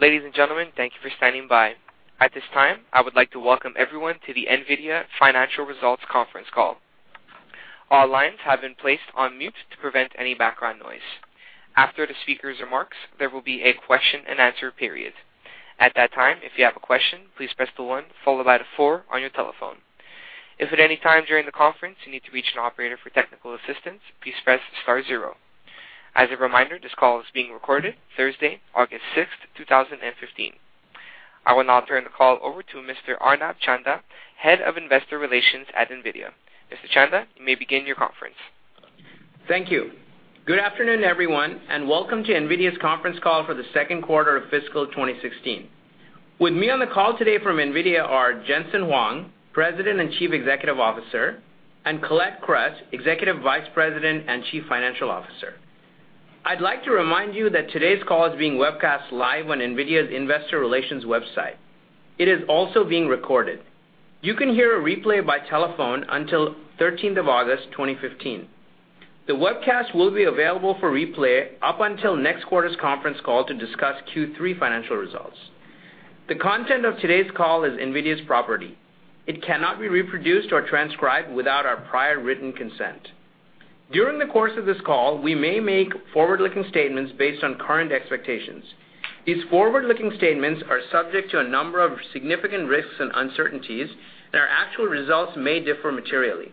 Ladies and gentlemen, thank you for standing by. At this time, I would like to welcome everyone to the NVIDIA Financial Results conference call. All lines have been placed on mute to prevent any background noise. After the speaker's remarks, there will be a question and answer period. At that time, if you have a question, please press the one followed by the four on your telephone. If at any time during the conference you need to reach an operator for technical assistance, please press star zero. As a reminder, this call is being recorded Thursday, August sixth, 2015. I will now turn the call over to Mr. Arnab Chanda, Head of Investor Relations at NVIDIA. Mr. Chanda, you may begin your conference. Thank you. Good afternoon, everyone, welcome to NVIDIA's conference call for the second quarter of fiscal 2016. With me on the call today from NVIDIA are Jensen Huang, President and Chief Executive Officer, and Colette Kress, Executive Vice President and Chief Financial Officer. I'd like to remind you that today's call is being webcast live on NVIDIA's investor relations website. It is also being recorded. You can hear a replay by telephone until thirteenth of August 2015. The webcast will be available for replay up until next quarter's conference call to discuss Q3 financial results. The content of today's call is NVIDIA's property. It cannot be reproduced or transcribed without our prior written consent. During the course of this call, we may make forward-looking statements based on current expectations. These forward-looking statements are subject to a number of significant risks and uncertainties, our actual results may differ materially.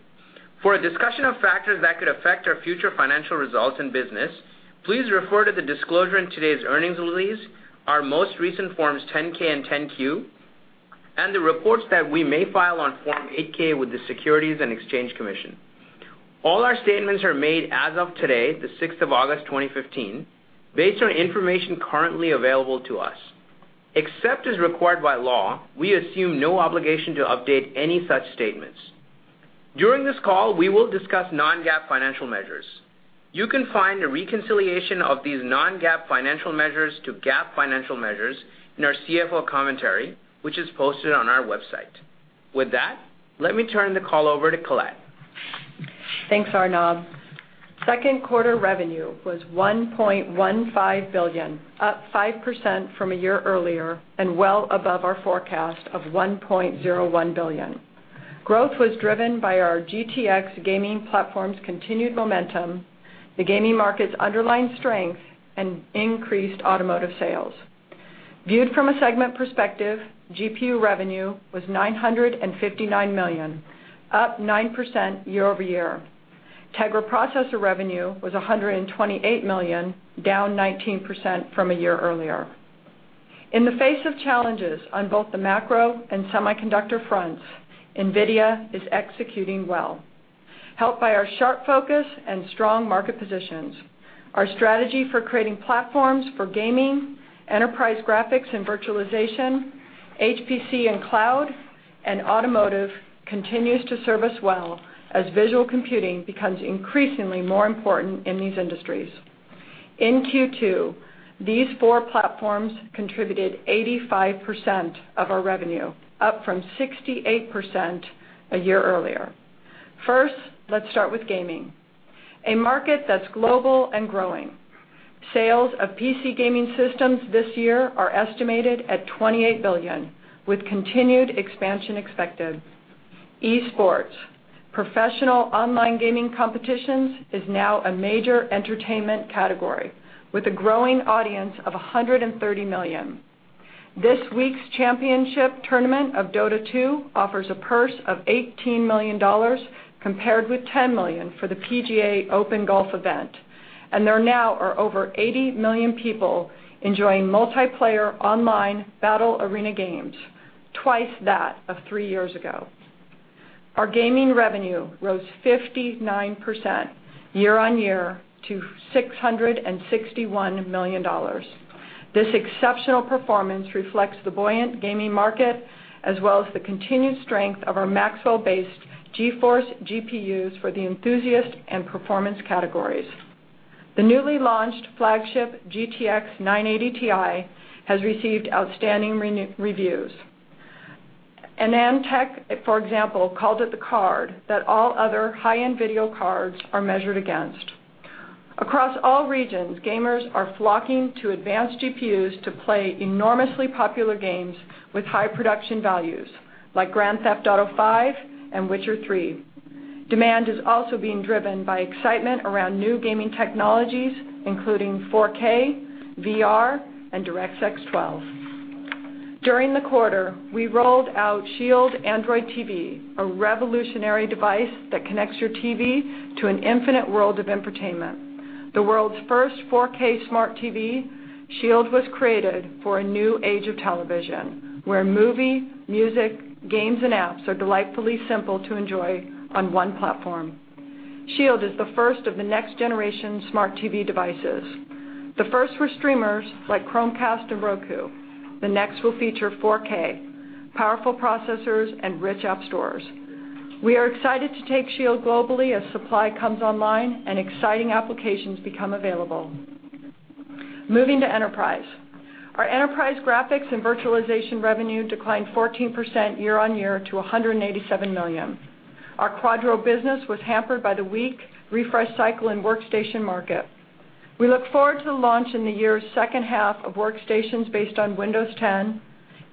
For a discussion of factors that could affect our future financial results and business, please refer to the disclosure in today's earnings release, our most recent Forms 10-K and 10-Q, the reports that we may file on Form 8-K with the Securities and Exchange Commission. All our statements are made as of today, the sixth of August 2015, based on information currently available to us. Except as required by law, we assume no obligation to update any such statements. During this call, we will discuss non-GAAP financial measures. You can find a reconciliation of these non-GAAP financial measures to GAAP financial measures in our CFO commentary, which is posted on our website. With that, let me turn the call over to Colette. Thanks, Arnab. Second quarter revenue was $1.15 billion, up 5% from a year earlier and well above our forecast of $1.01 billion. Growth was driven by our GTX gaming platform's continued momentum, the gaming market's underlying strength, and increased automotive sales. Viewed from a segment perspective, GPU revenue was $959 million, up 9% year-over-year. Tegra processor revenue was $128 million, down 19% from a year earlier. In the face of challenges on both the macro and semiconductor fronts, NVIDIA is executing well, helped by our sharp focus and strong market positions. Our strategy for creating platforms for gaming, enterprise graphics and virtualization, HPC and cloud, and automotive continues to serve us well as visual computing becomes increasingly more important in these industries. In Q2, these four platforms contributed 85% of our revenue, up from 68% a year earlier. First, let's start with gaming, a market that's global and growing. Sales of PC gaming systems this year are estimated at $28 billion, with continued expansion expected. esports, professional online gaming competitions, is now a major entertainment category with a growing audience of 130 million. This week's championship tournament of Dota 2 offers a purse of $18 million, compared with $10 million for the PGA open golf event. There now are over 80 million people enjoying multiplayer online battle arena games, twice that of three years ago. Our gaming revenue rose 59% year-on-year to $661 million. This exceptional performance reflects the buoyant gaming market, as well as the continued strength of our Maxwell-based GeForce GPUs for the enthusiast and performance categories. The newly launched flagship GTX 980 Ti has received outstanding reviews. AnandTech, for example, called it the card that all other high-end video cards are measured against. Across all regions, gamers are flocking to advanced GPUs to play enormously popular games with high production values like Grand Theft Auto V and Witcher 3. Demand is also being driven by excitement around new gaming technologies, including 4K, VR, and DirectX 12. During the quarter, we rolled out Shield Android TV, a revolutionary device that connects your TV to an infinite world of entertainment. The world's first 4K smart TV, Shield was created for a new age of television, where movie, music, games, and apps are delightfully simple to enjoy on one platform. Shield is the first of the next-generation smart TV devices. The first were streamers like Chromecast and Roku. The next will feature 4K, powerful processors, and rich app stores. We are excited to take Shield globally as supply comes online and exciting applications become available. Moving to enterprise. Our enterprise graphics and virtualization revenue declined 14% year-on-year to $187 million. Our Quadro business was hampered by the weak refresh cycle and workstation market. We look forward to the launch in the year's second half of workstations based on Windows 10,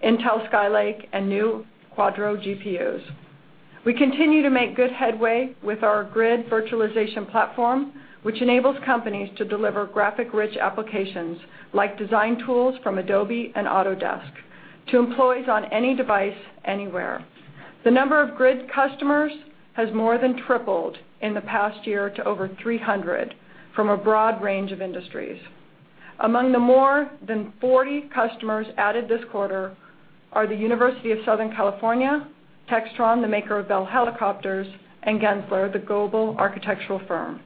Intel Skylake, and new Quadro GPUs. We continue to make good headway with our GRID virtualization platform, which enables companies to deliver graphic-rich applications, like design tools from Adobe and Autodesk, to employees on any device, anywhere. The number of GRID customers has more than tripled in the past year to over 300 from a broad range of industries. Among the more than 40 customers added this quarter are the University of Southern California, Textron, the maker of Bell Helicopter, and Gensler, the global architectural firm.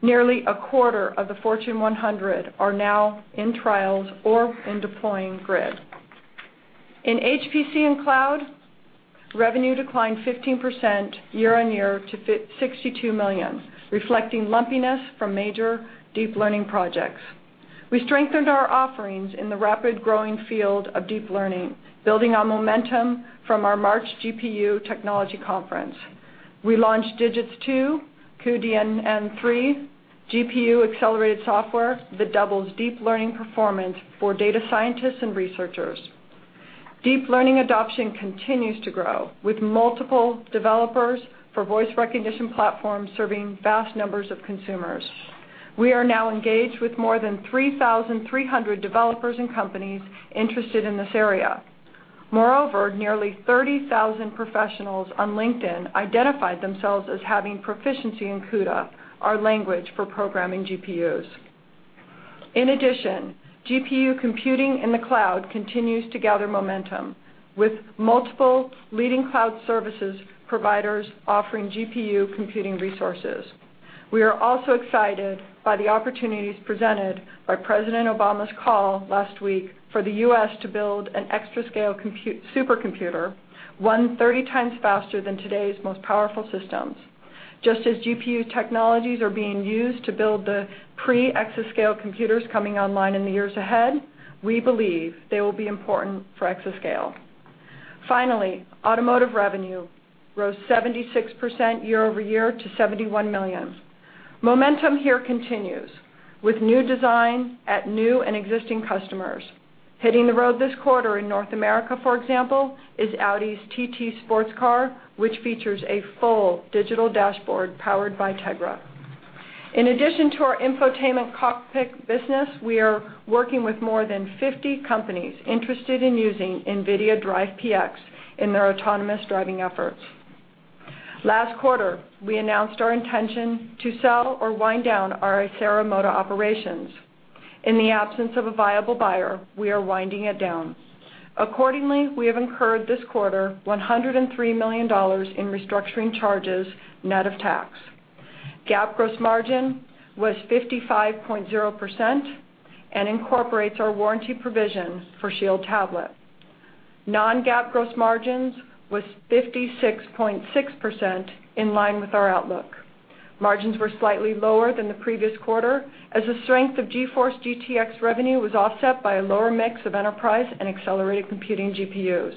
Nearly a quarter of the Fortune 100 are now in trials or in deploying GRID. In HPC and cloud, revenue declined 15% year-on-year to $62 million, reflecting lumpiness from major deep learning projects. We strengthened our offerings in the rapid growing field of deep learning, building on momentum from our March GPU Technology Conference. We launched DIGITS 2, cuDNN 3, GPU accelerated software that doubles deep learning performance for data scientists and researchers. Deep learning adoption continues to grow, with multiple developers for voice recognition platforms serving vast numbers of consumers. We are now engaged with more than 3,300 developers and companies interested in this area. Moreover, nearly 30,000 professionals on LinkedIn identified themselves as having proficiency in CUDA, our language for programming GPUs. In addition, GPU computing in the cloud continues to gather momentum, with multiple leading cloud services providers offering GPU computing resources. We are also excited by the opportunities presented by President Obama's call last week for the U.S. to build an exascale supercomputer, one 30 times faster than today's most powerful systems. Just as GPU technologies are being used to build the pre-exascale computers coming online in the years ahead, we believe they will be important for exascale. Finally, automotive revenue rose 76% year-over-year to $71 million. Momentum here continues with new design at new and existing customers. Hitting the road this quarter in North America, for example, is Audi's TT sports car, which features a full digital dashboard powered by Tegra. In addition to our infotainment cockpit business, we are working with more than 50 companies interested in using NVIDIA DRIVE PX in their autonomous driving efforts. Last quarter, we announced our intention to sell or wind down our Icera modem operations. In the absence of a viable buyer, we are winding it down. We have incurred this quarter $103 million in restructuring charges, net of tax. GAAP gross margin was 55.0% and incorporates our warranty provision for SHIELD tablet. Non-GAAP gross margins was 56.6%, in line with our outlook. Margins were slightly lower than the previous quarter as the strength of GeForce GTX revenue was offset by a lower mix of enterprise and accelerated computing GPUs.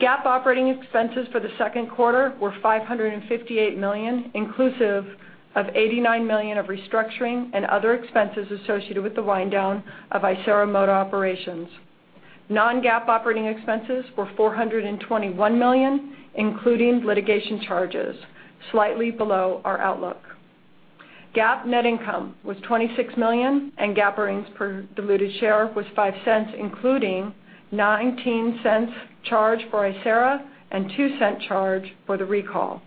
GAAP operating expenses for the second quarter were $558 million, inclusive of $89 million of restructuring and other expenses associated with the wind down of Icera modem operations. Non-GAAP operating expenses were $421 million, including litigation charges, slightly below our outlook. GAAP net income was $26 million, and GAAP earnings per diluted share was $0.05, including $0.19 charge for Icera and $0.02 charge for the recall.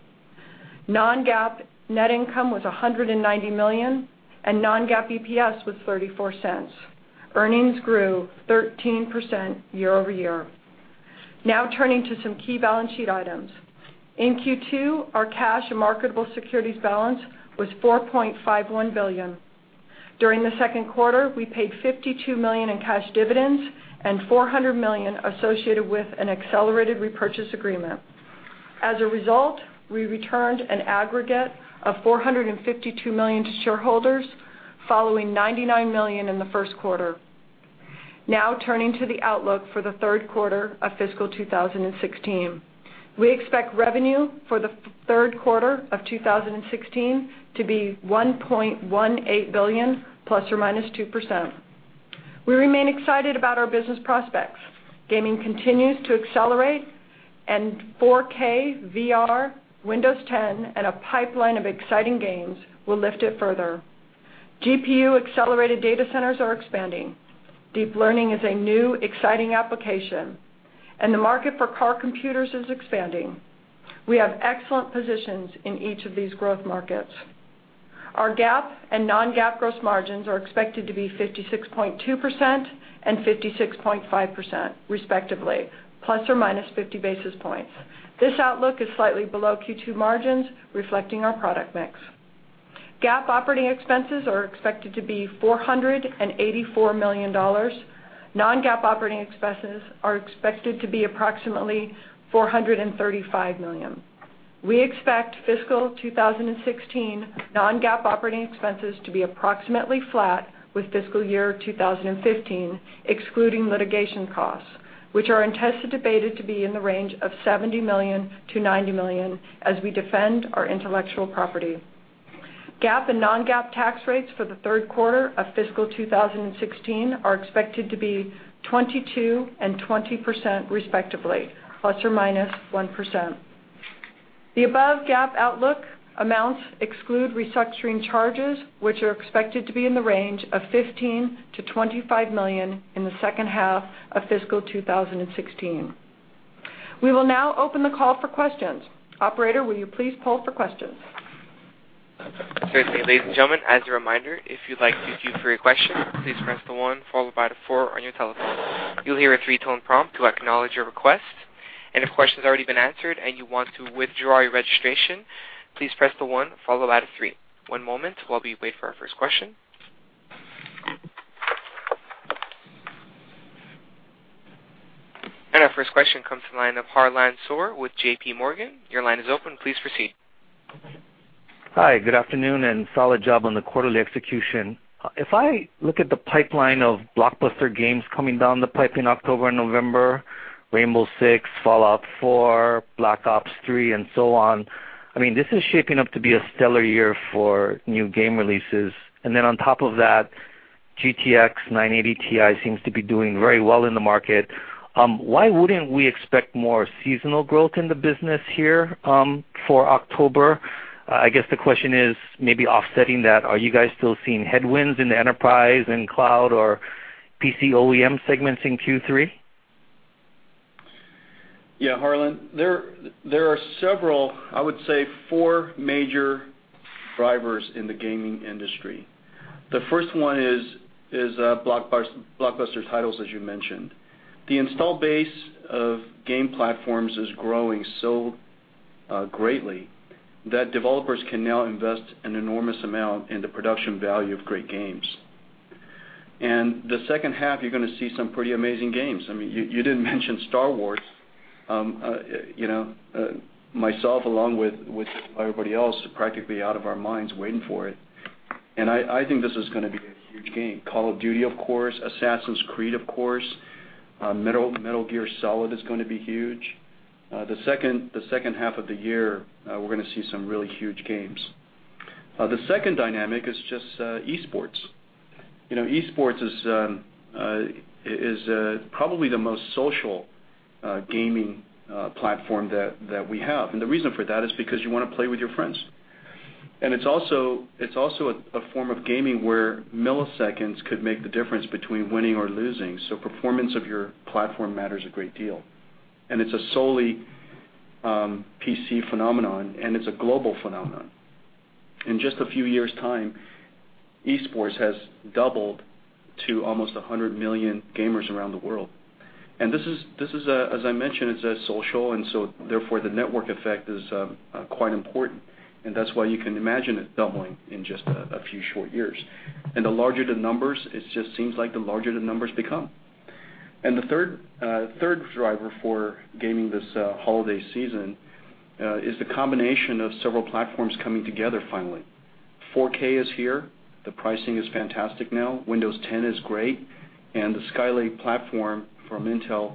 Non-GAAP net income was $190 million, and non-GAAP EPS was $0.34. Earnings grew 13% year-over-year. Turning to some key balance sheet items. In Q2, our cash and marketable securities balance was $4.51 billion. During the second quarter, we paid $52 million in cash dividends and $400 million associated with an accelerated repurchase agreement. We returned an aggregate of $452 million to shareholders, following $99 million in the first quarter. Turning to the outlook for the third quarter of fiscal 2016. We expect revenue for the third quarter of 2016 to be $1.18 billion, ±2%. We remain excited about our business prospects. Gaming continues to accelerate, 4K, VR, Windows 10, and a pipeline of exciting games will lift it further. GPU accelerated data centers are expanding. Deep learning is a new, exciting application. The market for car computers is expanding. We have excellent positions in each of these growth markets. Our GAAP and non-GAAP gross margins are expected to be 56.2% and 56.5%, respectively, ±50 basis points. This outlook is slightly below Q2 margins, reflecting our product mix. GAAP operating expenses are expected to be $484 million. Non-GAAP operating expenses are expected to be approximately $435 million. We expect fiscal 2016 non-GAAP operating expenses to be approximately flat with fiscal 2015, excluding litigation costs, which are anticipated to be in the range of $70 million-$90 million as we defend our intellectual property. GAAP and non-GAAP tax rates for the third quarter of fiscal 2016 are expected to be 22% and 20%, respectively, ±1%. The above GAAP outlook amounts exclude restructuring charges, which are expected to be in the range of $15 million-$25 million in the second half of fiscal 2016. We will now open the call for questions. Operator, will you please poll for questions? Certainly. Ladies and gentlemen, as a reminder, if you'd like to queue for your question, please press the one followed by the four on your telephone. You'll hear a three-tone prompt to acknowledge your request. If a question has already been answered and you want to withdraw your registration, please press the one followed by the three. One moment while we wait for our first question. Our first question comes from the line of Harlan Sur with JPMorgan. Your line is open. Please proceed. Hi, good afternoon, solid job on the quarterly execution. If I look at the pipeline of blockbuster games coming down the pipe in October and November, Rainbow Six, Fallout 4, Black Ops III, and so on, this is shaping up to be a stellar year for new game releases. On top of that, GTX 980 Ti seems to be doing very well in the market. Why wouldn't we expect more seasonal growth in the business here for October? I guess the question is maybe offsetting that, are you guys still seeing headwinds in the enterprise, in cloud, or PC OEM segments in Q3? Harlan, there are several, I would say four major drivers in the gaming industry. The first one is blockbuster titles, as you mentioned. The install base of game platforms is growing so greatly that developers can now invest an enormous amount in the production value of great games. The second half, you're going to see some pretty amazing games. You didn't mention Star Wars. Myself along with everybody else are practically out of our minds waiting for it. I think this is going to be a huge game. Call of Duty, of course, Assassin's Creed, of course, Metal Gear Solid is going to be huge. The second half of the year, we're going to see some really huge games. The second dynamic is just esports. Esports is probably the most social gaming platform that we have. The reason for that is because you want to play with your friends. It's also a form of gaming where milliseconds could make the difference between winning or losing, so performance of your platform matters a great deal. It's a solely PC phenomenon, and it's a global phenomenon. In just a few years' time, esports has doubled to almost 100 million gamers around the world. This is, as I mentioned, it's social. Therefore, the network effect is quite important. That's why you can imagine it doubling in just a few short years. The larger the numbers, it just seems like the larger the numbers become. The third driver for gaming this holiday season is the combination of several platforms coming together finally. 4K is here. The pricing is fantastic now. Windows 10 is great. The Skylake platform from Intel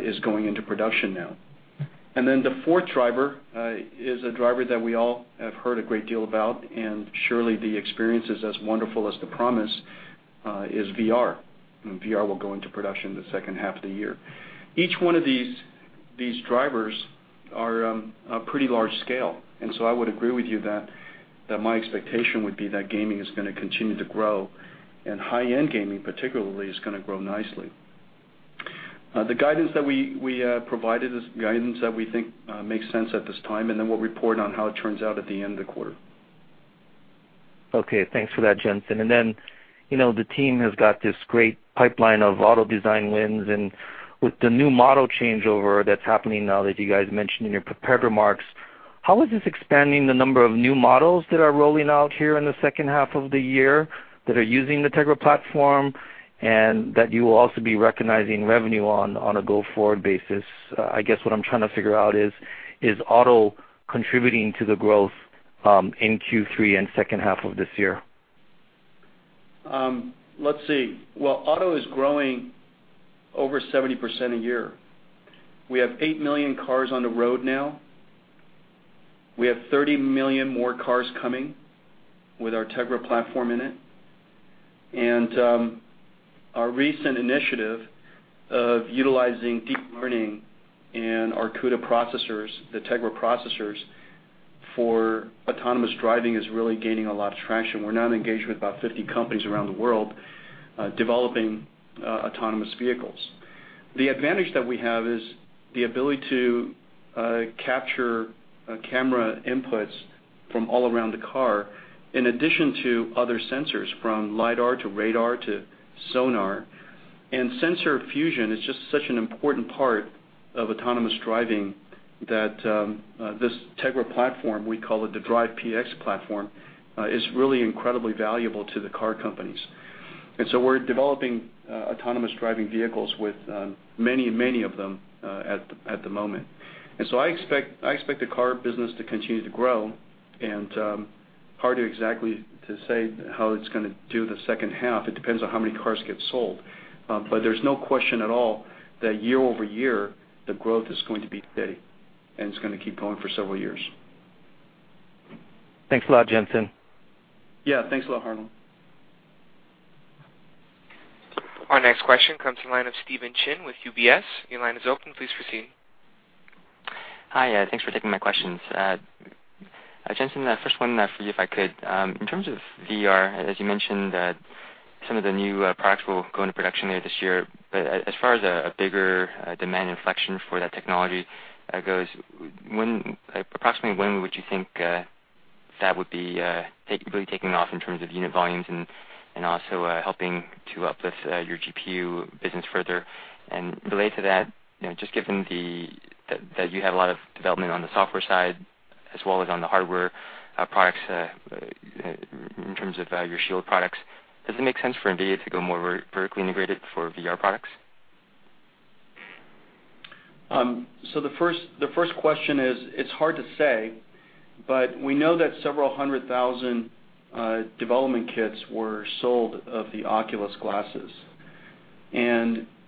is going into production now. The fourth driver is a driver that we all have heard a great deal about, and surely the experience is as wonderful as the promise, is VR. VR will go into production the second half of the year. Each one of these drivers are pretty large scale. So I would agree with you that my expectation would be that gaming is going to continue to grow, and high-end gaming particularly is going to grow nicely. The guidance that we provided is guidance that we think makes sense at this time. We'll report on how it turns out at the end of the quarter. Okay, thanks for that, Jensen. The team has got this great pipeline of auto design wins, and with the new model changeover that's happening now that you guys mentioned in your prepared remarks, how is this expanding the number of new models that are rolling out here in the second half of the year that are using the Tegra platform and that you will also be recognizing revenue on a go-forward basis? I guess what I'm trying to figure out is auto contributing to the growth in Q3 and second half of this year? Let's see. Well, auto is growing over 70% a year. We have eight million cars on the road now. We have 30 million more cars coming with our Tegra platform in it. Our recent initiative of utilizing deep learning in our CUDA processors, the Tegra processors, for autonomous driving is really gaining a lot of traction. We're now engaged with about 50 companies around the world developing autonomous vehicles. The advantage that we have is the ability to capture camera inputs from all around the car, in addition to other sensors, from LIDAR to radar to sonar. Sensor fusion is just such an important part of autonomous driving that this Tegra platform, we call it the Drive PX platform, is really incredibly valuable to the car companies. We're developing autonomous driving vehicles with many of them at the moment. I expect the car business to continue to grow, and hard to exactly to say how it's going to do the second half. It depends on how many cars get sold. There's no question at all that year-over-year, the growth is going to be steady, and it's going to keep going for several years. Thanks a lot, Jensen. Yeah. Thanks a lot, Harlan. Our next question comes from the line of Stephen Chin with UBS. Your line is open. Please proceed. Hi. Thanks for taking my questions. Jensen, first one for you, if I could. In terms of VR, as you mentioned, some of the new products will go into production later this year. As far as a bigger demand inflection for that technology goes, approximately when would you think that would be really taking off in terms of unit volumes and also helping to uplift your GPU business further? Related to that, just given that you have a lot of development on the software side as well as on the hardware products in terms of your Shield products, does it make sense for NVIDIA to go more vertically integrated for VR products? The first question is, it's hard to say, but we know that several hundred thousand development kits were sold of the Oculus glasses.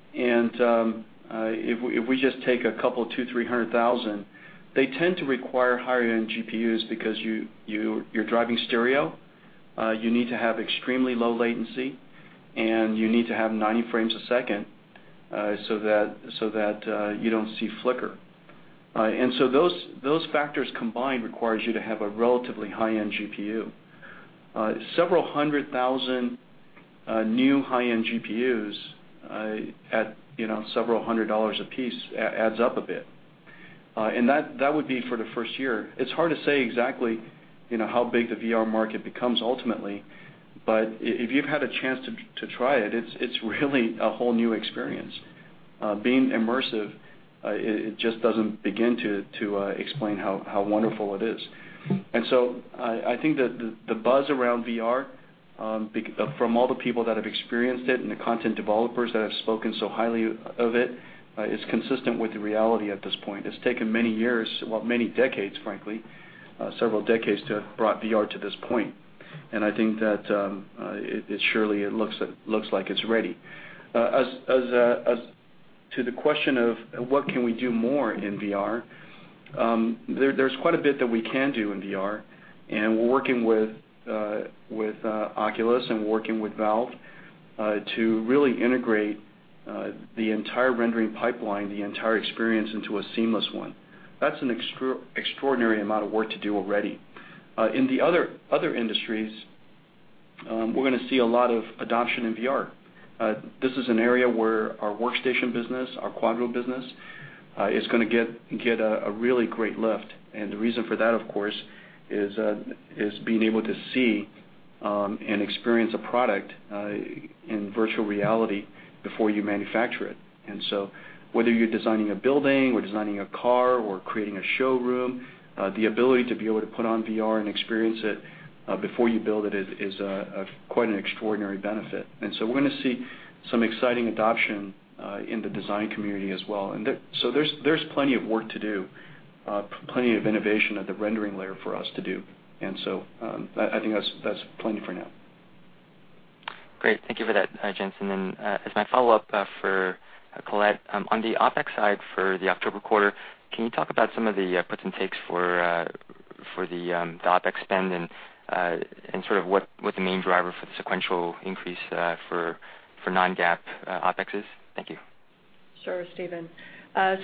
If we just take a couple 200,000-300,000, they tend to require higher-end GPUs because you're driving stereo, you need to have extremely low latency, and you need to have 90 frames a second, so that you don't see flicker. Those factors combined requires you to have a relatively high-end GPU. Several hundred thousand new high-end GPUs at $several hundred a piece adds up a bit. That would be for the first year. It's hard to say exactly how big the VR market becomes ultimately. If you've had a chance to try it's really a whole new experience. Being immersive, it just doesn't begin to explain how wonderful it is. I think that the buzz around VR, from all the people that have experienced it and the content developers that have spoken so highly of it, is consistent with the reality at this point. It's taken many years, well, many decades, frankly, several decades to have brought VR to this point. I think that it surely looks like it's ready. As to the question of what can we do more in VR, there's quite a bit that we can do in VR, we're working with Oculus, and we're working with Valve to really integrate the entire rendering pipeline, the entire experience into a seamless one. That's an extraordinary amount of work to do already. In the other industries, we're going to see a lot of adoption in VR. This is an area where our workstation business, our Quadro business, is going to get a really great lift. The reason for that, of course, is being able to see and experience a product in virtual reality before you manufacture it. Whether you're designing a building or designing a car or creating a showroom, the ability to be able to put on VR and experience it before you build it is quite an extraordinary benefit. We're going to see some exciting adoption in the design community as well. There's plenty of work to do, plenty of innovation at the rendering layer for us to do. I think that's plenty for now. Great. Thank you for that, Jensen. As my follow-up for Colette, on the OpEx side for the October quarter, can you talk about some of the puts and takes for the OpEx spend and sort of what the main driver for the sequential increase for non-GAAP OpExes? Thank you. Sure, Stephen.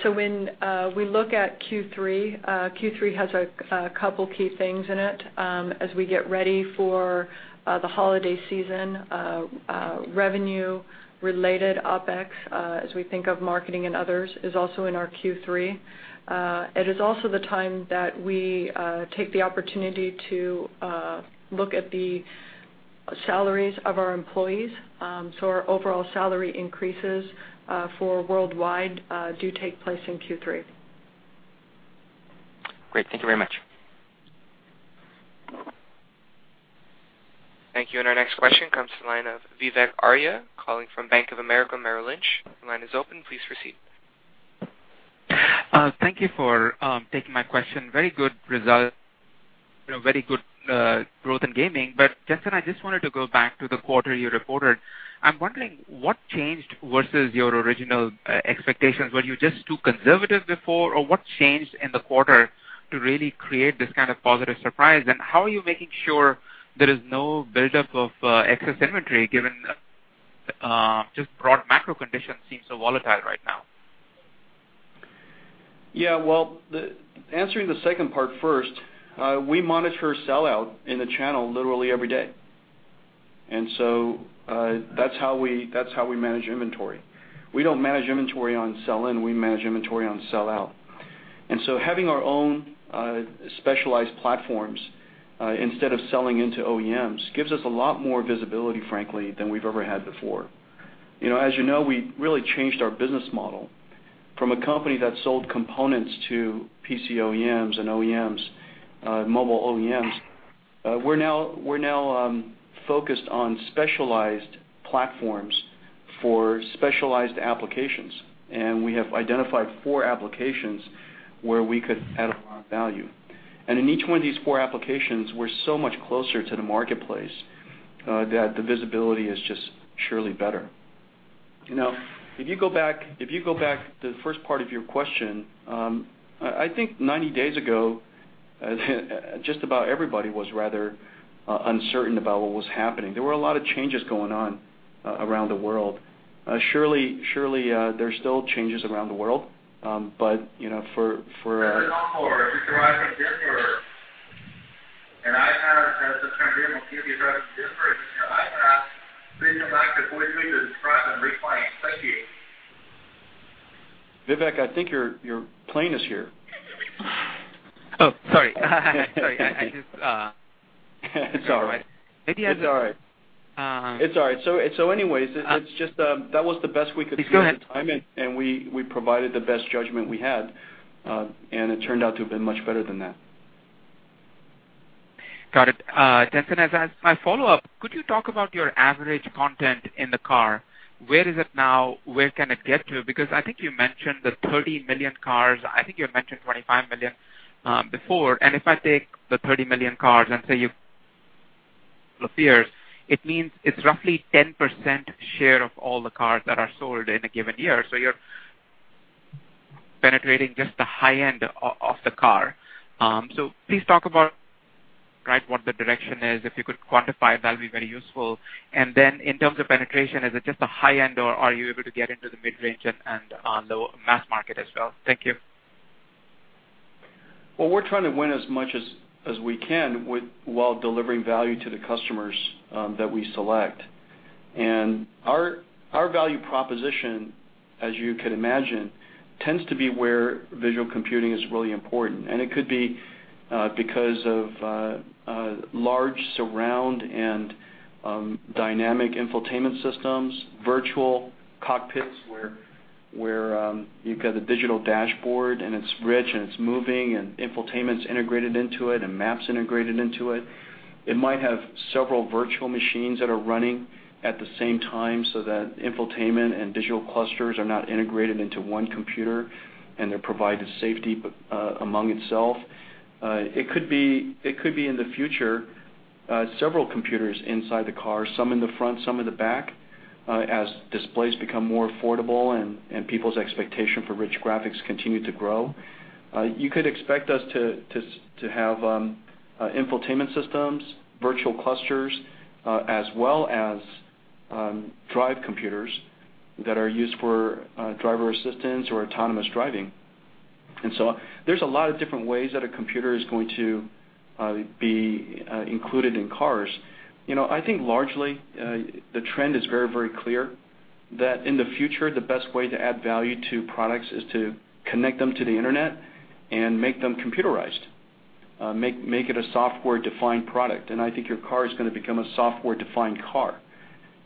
When we look at Q3 has a couple of key things in it. We get ready for the holiday season, revenue-related OpEx as we think of marketing and others, is also in our Q3. It is also the time that we take the opportunity to look at the salaries of our employees. Our overall salary increases for worldwide do take place in Q3. Great. Thank you very much. Thank you. Our next question comes from the line of Vivek Arya, calling from Bank of America Merrill Lynch. Your line is open. Please proceed. Thank you for taking my question. Very good result, very good growth in gaming. Jensen, I just wanted to go back to the quarter you reported. I'm wondering what changed versus your original expectations. Were you just too conservative before, or what changed in the quarter to really create this kind of positive surprise? How are you making sure there is no buildup of excess inventory given just broad macro conditions seem so volatile right now? Well, answering the second part first, we monitor sell-out in the channel literally every day. That's how we manage inventory. We don't manage inventory on sell in; we manage inventory on sell out. Having our own specialized platforms instead of selling into OEMs gives us a lot more visibility, frankly, than we've ever had before. As you know, we really changed our business model from a company that sold components to PC OEMs and mobile OEMs, we're now focused on specialized platforms for specialized applications, and we have identified four applications where we could add a lot of value. In each one of these four applications, we're so much closer to the marketplace, that the visibility is just surely better. If you go back to the first part of your question, I think 90 days ago, just about everybody was rather uncertain about what was happening. There were a lot of changes going on around the world. Surely, there's still changes around the world. Vivek, I think your plane is here. Sorry. Sorry, I just- It's all right. Maybe I just. It's all right. Anyways, that was the best we could do at the time. Please go ahead. We provided the best judgment we had. It turned out to have been much better than that. Got it. Jensen, as my follow-up, could you talk about your average content in the car? Where is it now? Where can it get to? I think you mentioned the 30 million cars, I think you mentioned 25 million before, if I take the 30 million cars, say you've 10 years, it means it's roughly 10% share of all the cars that are sold in a given year. You're penetrating just the high-end of the car. Please talk about what the direction is. If you could quantify it, that'll be very useful. Then in terms of penetration, is it just the high-end, or are you able to get into the mid-range and on the mass market as well? Thank you. Well, we're trying to win as much as we can while delivering value to the customers that we select. Our value proposition, as you could imagine, tends to be where visual computing is really important. It could be because of large surround and dynamic infotainment systems, virtual cockpits where you've got a digital dashboard and it's rich and it's moving and infotainment's integrated into it, and maps integrated into it. It might have several virtual machines that are running at the same time so that infotainment and digital clusters are not integrated into one computer, and they provide safety among itself. It could be in the future, several computers inside the car, some in the front, some in the back, as displays become more affordable and people's expectation for rich graphics continue to grow. You could expect us to have infotainment systems, virtual clusters, as well as drive computers that are used for driver assistance or autonomous driving. There's a lot of different ways that a computer is going to be included in cars. I think largely, the trend is very clear that in the future, the best way to add value to products is to connect them to the internet and make them computerized, make it a software-defined product. I think your car is going to become a software-defined car.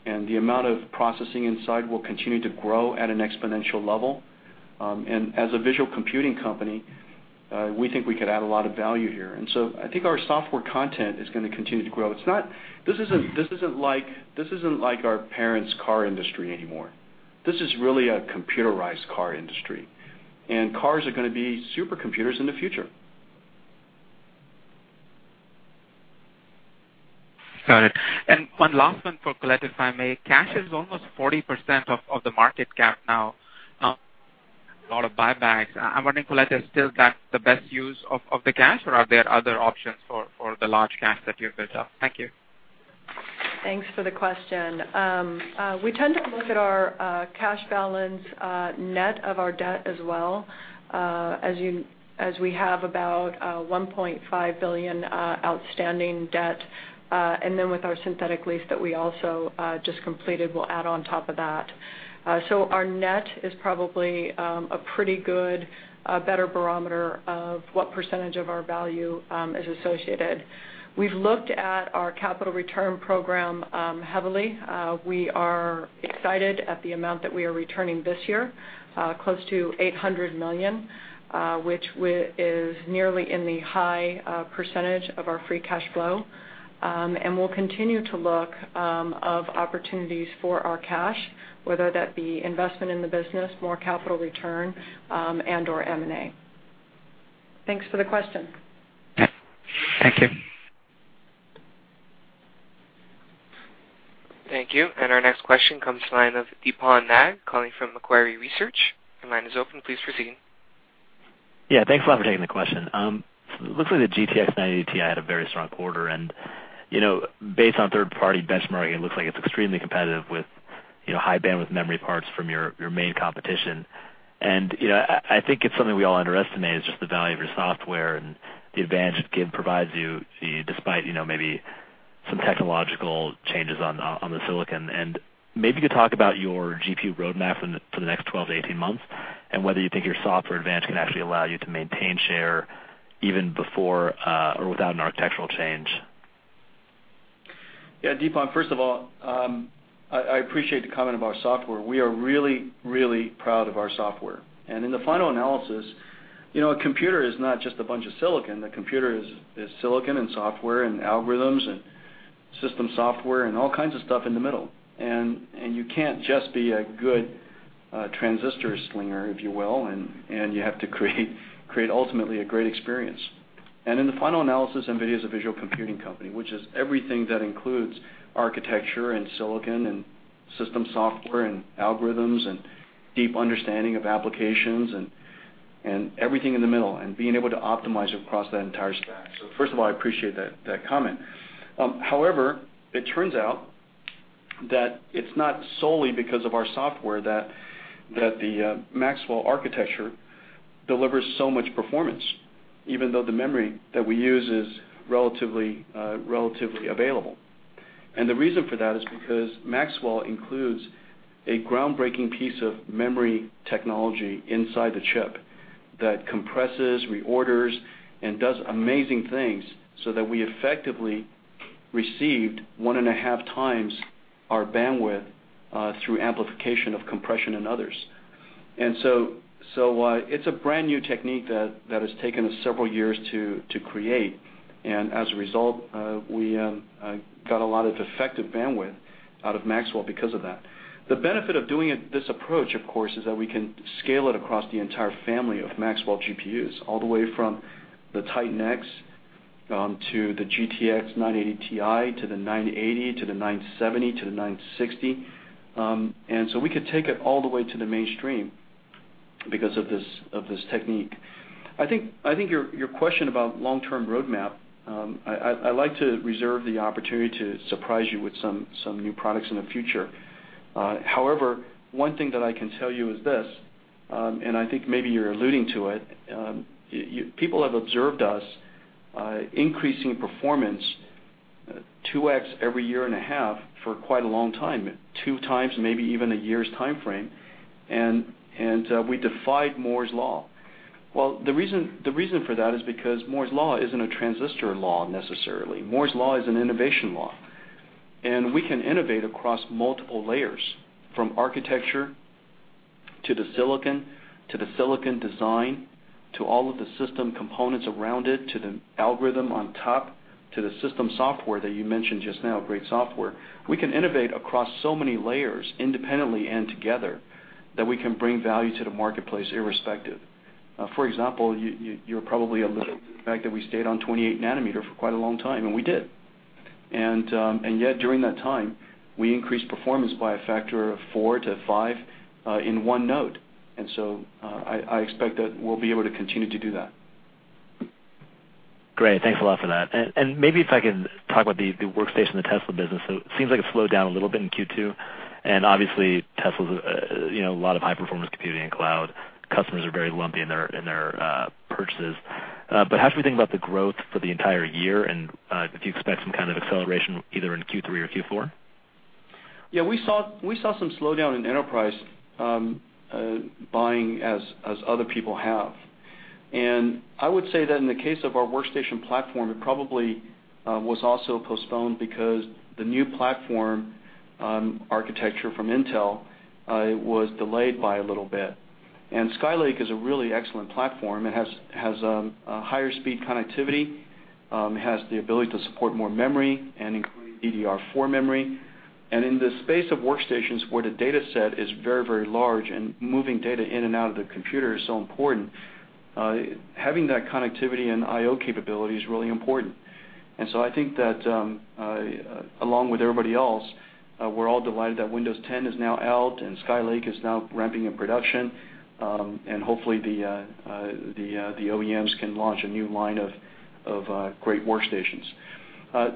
The amount of processing inside will continue to grow at an exponential level. As a visual computing company, we think we could add a lot of value here. I think our software content is going to continue to grow. This isn't like our parents' car industry anymore. This is really a computerized car industry, and cars are going to be supercomputers in the future. Got it. One last one for Colette, if I may. Cash is almost 40% of the market cap now. A lot of buybacks. I'm wondering, Colette, is still that the best use of the cash, or are there other options for the large cash that you've built up? Thank you. Thanks for the question. We tend to look at our cash balance net of our debt as well, as we have about $1.5 billion outstanding debt. Then with our synthetic lease that we also just completed, we'll add on top of that. Our net is probably a pretty good, better barometer of what percentage of our value is associated. We've looked at our capital return program heavily. We are excited at the amount that we are returning this year, close to $800 million, which is nearly in the high percentage of our free cash flow. We'll continue to look of opportunities for our cash, whether that be investment in the business, more capital return, and/or M&A. Thanks for the question. Thank you. Thank you. Our next question comes to the line of Deepon Nag calling from Macquarie Research. Your line is open. Please proceed. Yeah. Thanks a lot for taking the question. Looks like the GTX 980 Ti had a very strong quarter. Based on third-party benchmarking, it looks like it's extremely competitive with High Bandwidth Memory parts from your main competition. I think it's something we all underestimate is just the value of your software and the advantage it gives provides you despite maybe some technological changes on the silicon. Maybe you could talk about your GPU roadmap for the next 12 to 18 months, and whether you think your software advantage can actually allow you to maintain share even before or without an architectural change. Yeah, Deepon, first of all, I appreciate the comment about software. We are really, really proud of our software. In the final analysis, a computer is not just a bunch of silicon. The computer is silicon and software and algorithms and system software and all kinds of stuff in the middle. You can't just be a good transistor slinger, if you will, and you have to create ultimately a great experience. In the final analysis, NVIDIA's a visual computing company, which is everything that includes architecture and silicon and system software and algorithms and deep understanding of applications and everything in the middle, and being able to optimize across that entire stack. First of all, I appreciate that comment. However, it turns out that it's not solely because of our software that the Maxwell architecture delivers so much performance, even though the memory that we use is relatively available. The reason for that is because Maxwell includes a groundbreaking piece of memory technology inside the chip that compresses, reorders, and does amazing things so that we effectively received one and a half times our bandwidth, through amplification of compression and others. It's a brand-new technique that has taken us several years to create. As a result, we got a lot of effective bandwidth out of Maxwell because of that. The benefit of doing this approach, of course, is that we can scale it across the entire family of Maxwell GPUs, all the way from the Titan X, to the GTX 980 Ti, to the 980, to the 970, to the 960. We could take it all the way to the mainstream because of this technique. I think your question about long-term roadmap, I like to reserve the opportunity to surprise you with some new products in the future. However, one thing that I can tell you is this, and I think maybe you're alluding to it. People have observed us increasing performance 2X every year and a half for quite a long time, two times, maybe even a year's timeframe, and we defied Moore's Law. The reason for that is because Moore's Law isn't a transistor law necessarily. Moore's Law is an innovation law, and we can innovate across multiple layers, from architecture to the silicon, to the silicon design, to all of the system components around it, to the algorithm on top, to the system software that you mentioned just now, great software. We can innovate across so many layers independently and together that we can bring value to the marketplace irrespective. For example, you're probably alluding to the fact that we stayed on 28 nanometer for quite a long time, and we did. During that time, we increased performance by a factor of four to five in one node. I expect that we'll be able to continue to do that. Great. Thanks a lot for that. Maybe if I can talk about the workstation, the Tesla business. It seems like it slowed down a little bit in Q2, and obviously Tesla a lot of high-performance computing and cloud customers are very lumpy in their purchases. How should we think about the growth for the entire year and if you expect some kind of acceleration either in Q3 or Q4? We saw some slowdown in enterprise buying as other people have. I would say that in the case of our workstation platform, it probably was also postponed because the new platform, architecture from Intel, was delayed by a little bit. Skylake is a really excellent platform. It has higher speed connectivity, it has the ability to support more memory and include DDR4 memory. In the space of workstations where the dataset is very, very large and moving data in and out of the computer is so important, having that connectivity and IO capability is really important. I think that, along with everybody else, we're all delighted that Windows 10 is now out and Skylake is now ramping in production. Hopefully the OEMs can launch a new line of great workstations.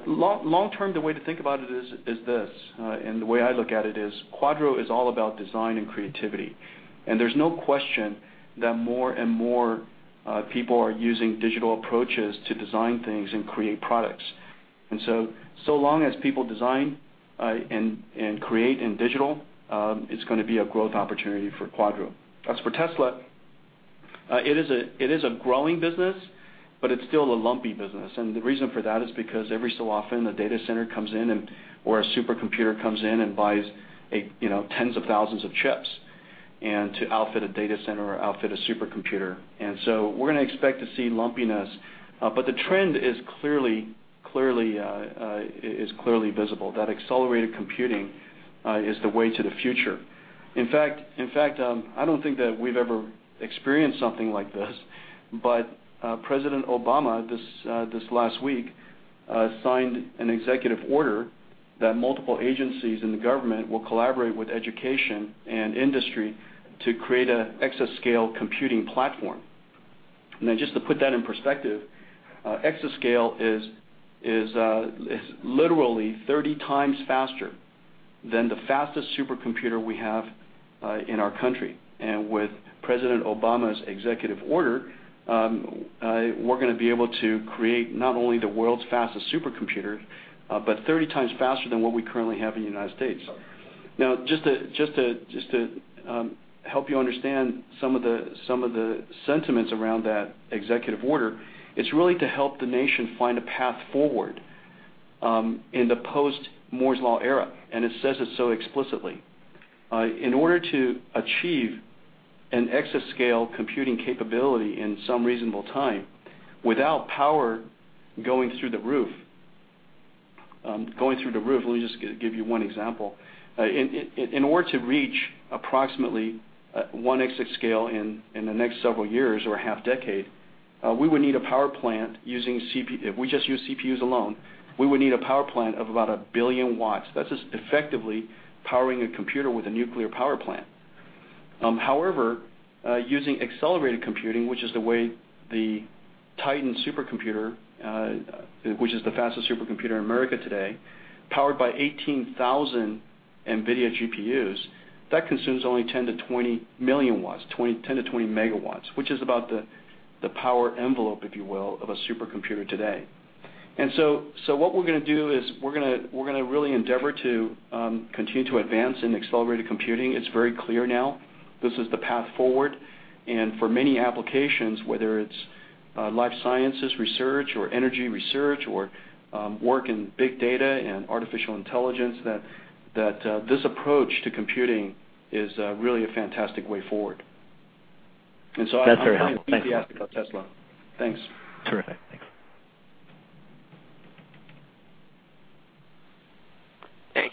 Long-term, the way to think about it is this. The way I look at it is Quadro is all about design and creativity. There's no question that more and more people are using digital approaches to design things and create products. So long as people design and create in digital, it's going to be a growth opportunity for Quadro. As for Tesla, it is a growing business, but it's still a lumpy business. The reason for that is because every so often the data center comes in and/or a supercomputer comes in and buys tens of thousands of chips and to outfit a data center or outfit a supercomputer. We're going to expect to see lumpiness. The trend is clearly visible, that accelerated computing is the way to the future. In fact, I don't think that we've ever experienced something like this, but President Obama, this last week, signed an executive order that multiple agencies in the government will collaborate with education and industry to create an exascale computing platform. Just to put that in perspective, exascale is literally 30 times faster than the fastest supercomputer we have in our country. With President Obama's executive order, we're going to be able to create not only the world's fastest supercomputer, but 30 times faster than what we currently have in the U.S. Just to help you understand some of the sentiments around that executive order, it's really to help the nation find a path forward in the post-Moore's Law era, and it says it so explicitly. In order to achieve an exascale computing capability in some reasonable time without power going through the roof. Let me just give you one example. In order to reach approximately one exascale in the next several years or half-decade, if we just use CPUs alone, we would need a power plant of about a billion watts. That's just effectively powering a computer with a nuclear power plant. However, using accelerated computing, which is the way the Titan supercomputer, which is the fastest supercomputer in America today, powered by 18,000 NVIDIA GPUs, that consumes only 10-20 MW, which is about the power envelope, if you will, of a supercomputer today. What we're going to do is we're going to really endeavor to continue to advance in accelerated computing. It's very clear now, this is the path forward. For many applications, whether it's life sciences research or energy research or work in big data and artificial intelligence, that this approach to computing is really a fantastic way forward. That's very helpful. Thank you. I'm very enthusiastic about Tesla. Thanks. Terrific. Thanks.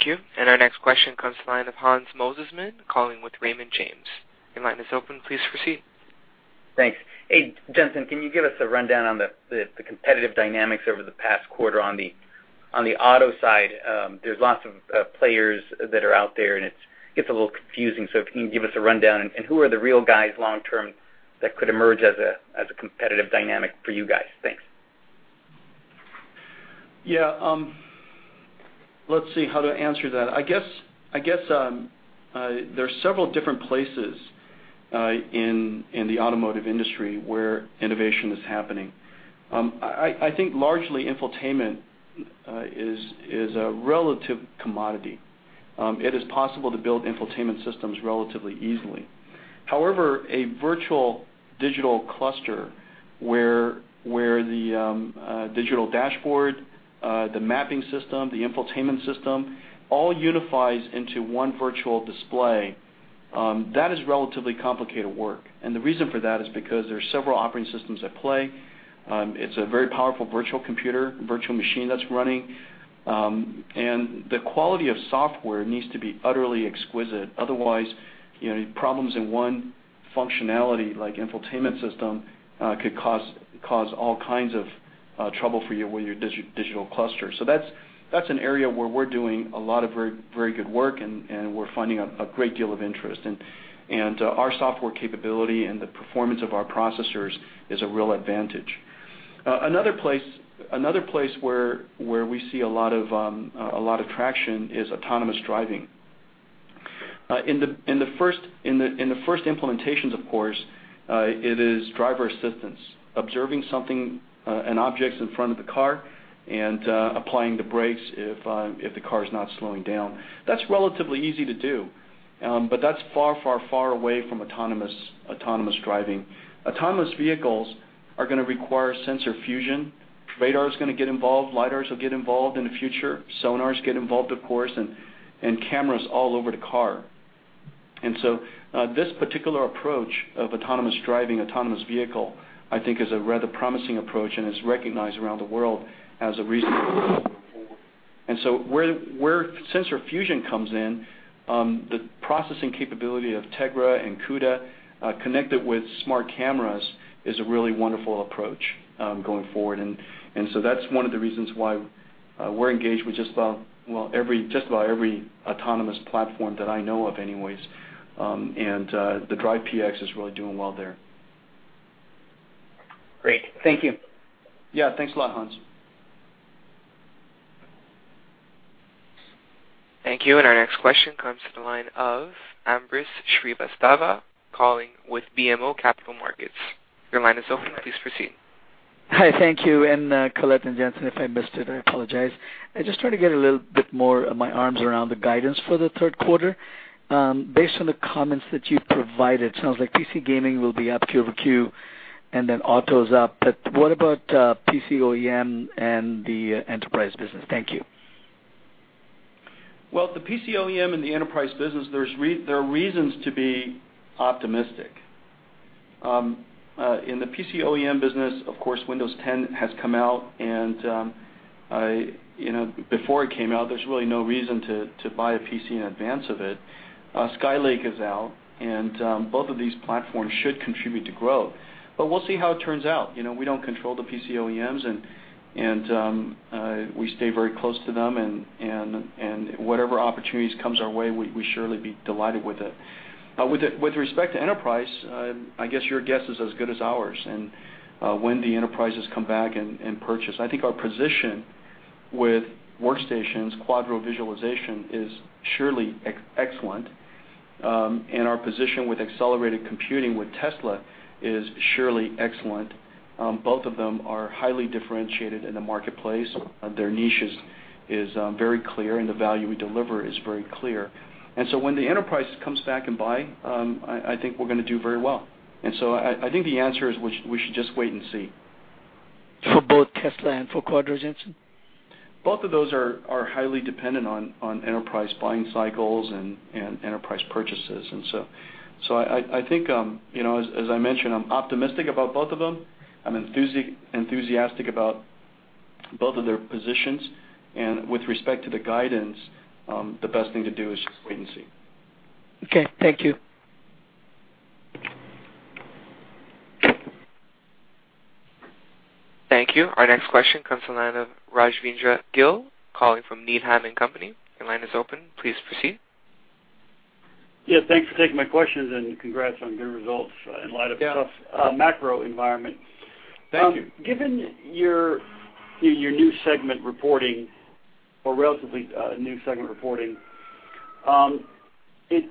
Thank you. Our next question comes to the line of Hans Mosesmann, calling with Raymond James. Your line is open. Please proceed. Thanks. Hey, Jensen, can you give us a rundown on the competitive dynamics over the past quarter on the auto side? There's lots of players that are out there, it gets a little confusing. If you can give us a rundown, who are the real guys long-term that could emerge as a competitive dynamic for you guys? Thanks. Yeah. Let's see how to answer that. I guess there's several different places in the automotive industry where innovation is happening. I think largely infotainment is a relative commodity. It is possible to build infotainment systems relatively easily. However, a virtual digital cluster where the digital dashboard, the mapping system, the infotainment system, all unifies into one virtual display, that is relatively complicated work. The reason for that is because there's several operating systems at play. It's a very powerful virtual computer, virtual machine that's running. The quality of software needs to be utterly exquisite. Otherwise, problems in one functionality like infotainment system could cause all kinds of trouble for you with your digital cluster. That's an area where we're doing a lot of very good work, we're finding a great deal of interest. Our software capability and the performance of our processors is a real advantage. Another place where we see a lot of traction is autonomous driving. In the first implementations, of course, it is driver assistance, observing something, an object in front of the car, and applying the brakes if the car is not slowing down. That's relatively easy to do. That's far away from autonomous driving. Autonomous vehicles are going to require sensor fusion. Radar's going to get involved, LiDARs will get involved in the future, sonars get involved, of course, and cameras all over the car. This particular approach of autonomous driving, autonomous vehicle, I think is a rather promising approach and is recognized around the world as a reason forward. Where sensor fusion comes in, the processing capability of Tegra and CUDA, connected with smart cameras, is a really wonderful approach going forward. That's one of the reasons why we're engaged with just about every autonomous platform that I know of anyways. The Drive PX is really doing well there. Great. Thank you. Yeah. Thanks a lot, Hans. Thank you. Our next question comes to the line of Ambrish Srivastava, calling with BMO Capital Markets. Your line is open. Please proceed. Hi. Thank you. Colette and Jensen, if I missed it, I apologize. I'm just trying to get a little bit more of my arms around the guidance for the third quarter. Based on the comments that you've provided, sounds like PC gaming will be up Q over Q, then auto's up. What about PC OEM and the enterprise business? Thank you. Well, the PC OEM and the enterprise business, there are reasons to be optimistic. In the PC OEM business, of course, Windows 10 has come out, and before it came out, there's really no reason to buy a PC in advance of it. Skylake is out, and both of these platforms should contribute to growth. We'll see how it turns out. We don't control the PC OEMs, and we stay very close to them, and whatever opportunities comes our way, we surely be delighted with it. With respect to enterprise, I guess your guess is as good as ours, and when the enterprises come back and purchase. I think our position with workstations, Quadro visualization, is surely excellent. Our position with accelerated computing with Tesla is surely excellent. Both of them are highly differentiated in the marketplace. Their niche is very clear, and the value we deliver is very clear. When the enterprise comes back and buy, I think we're going to do very well. I think the answer is we should just wait and see. For both Tesla and for Quadro, Jensen? Both of those are highly dependent on enterprise buying cycles and enterprise purchases. I think, as I mentioned, I'm optimistic about both of them. I'm enthusiastic about both of their positions. With respect to the guidance, the best thing to do is just wait and see. Okay, thank you. Thank you. Our next question comes from the line of Rajvindra Gill, calling from Needham & Company. Your line is open. Please proceed. Yeah, thanks for taking my questions, congrats on good results in light of- Yeah the tough macro environment. Thank you. Given your new segment reporting or relatively new segment reporting, it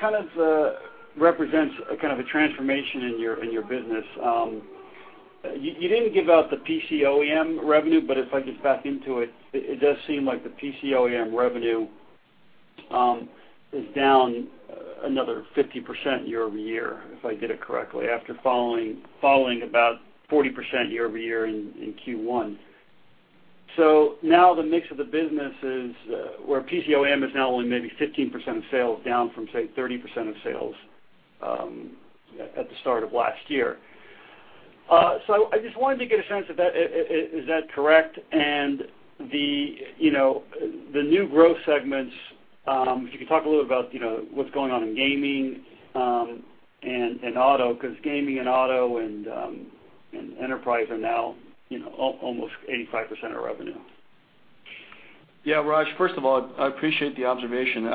kind of represents a kind of a transformation in your business. You didn't give out the PC OEM revenue, but if I could back into it does seem like the PC OEM revenue is down another 50% year-over-year, if I did it correctly, after following about 40% year-over-year in Q1. Now the mix of the business is where PC OEM is now only maybe 15% of sales, down from, say, 30% of sales at the start of last year. I just wanted to get a sense of that. Is that correct? The new growth segments, if you could talk a little about what's going on in gaming and auto, because gaming and auto and enterprise are now almost 85% of revenue. Yeah, Raj, first of all, I appreciate the observation.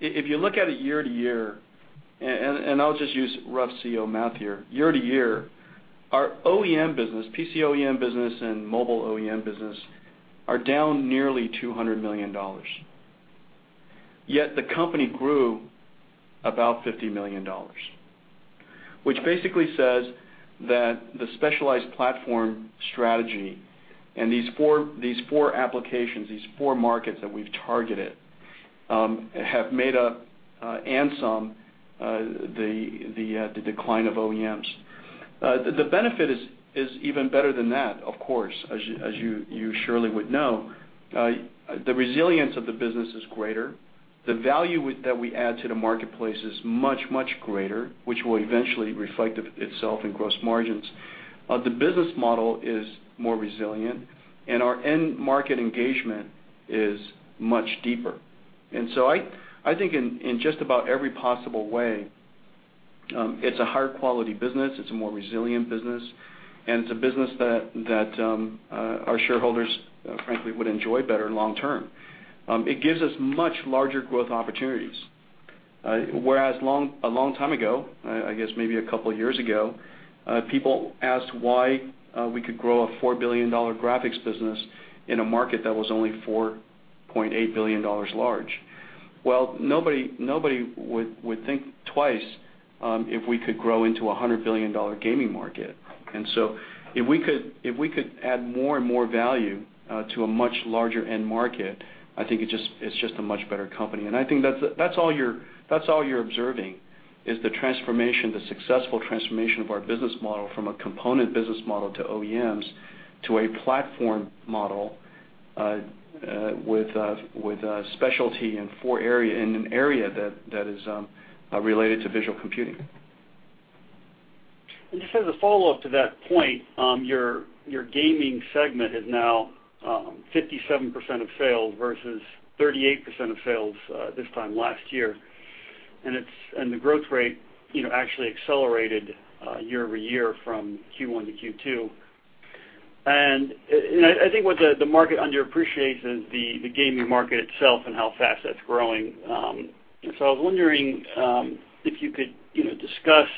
If you look at it year-to-year, I'll just use rough CEO math here. Year-to-year, our OEM business, PC OEM business, and mobile OEM business are down nearly $200 million. Yet the company grew about $50 million, which basically says that the specialized platform strategy and these four applications, these four markets that we've targeted, have made up and some, the decline of OEMs. The benefit is even better than that, of course, as you surely would know. The resilience of the business is greater. The value that we add to the marketplace is much, much greater, which will eventually reflect itself in gross margins. The business model is more resilient, and our end market engagement is much deeper. I think in just about every possible way, it's a higher quality business, it's a more resilient business, and it's a business that our shareholders, frankly, would enjoy better long-term. It gives us much larger growth opportunities. Whereas a long time ago, I guess maybe a couple of years ago, people asked why we could grow a $4 billion graphics business in a market that was only $4.8 billion large. Nobody would think twice if we could grow into a $100 billion gaming market. If we could add more and more value to a much larger end market, I think it's just a much better company. I think that's all you're observing is the transformation, the successful transformation of our business model from a component business model to OEMs to a platform model with a specialty in an area that is related to visual computing. Just as a follow-up to that point, your gaming segment is now 57% of sales versus 38% of sales this time last year. The growth rate actually accelerated year-over-year from Q1 to Q2. I think what the market underappreciates is the gaming market itself and how fast that's growing. I was wondering if you could discuss,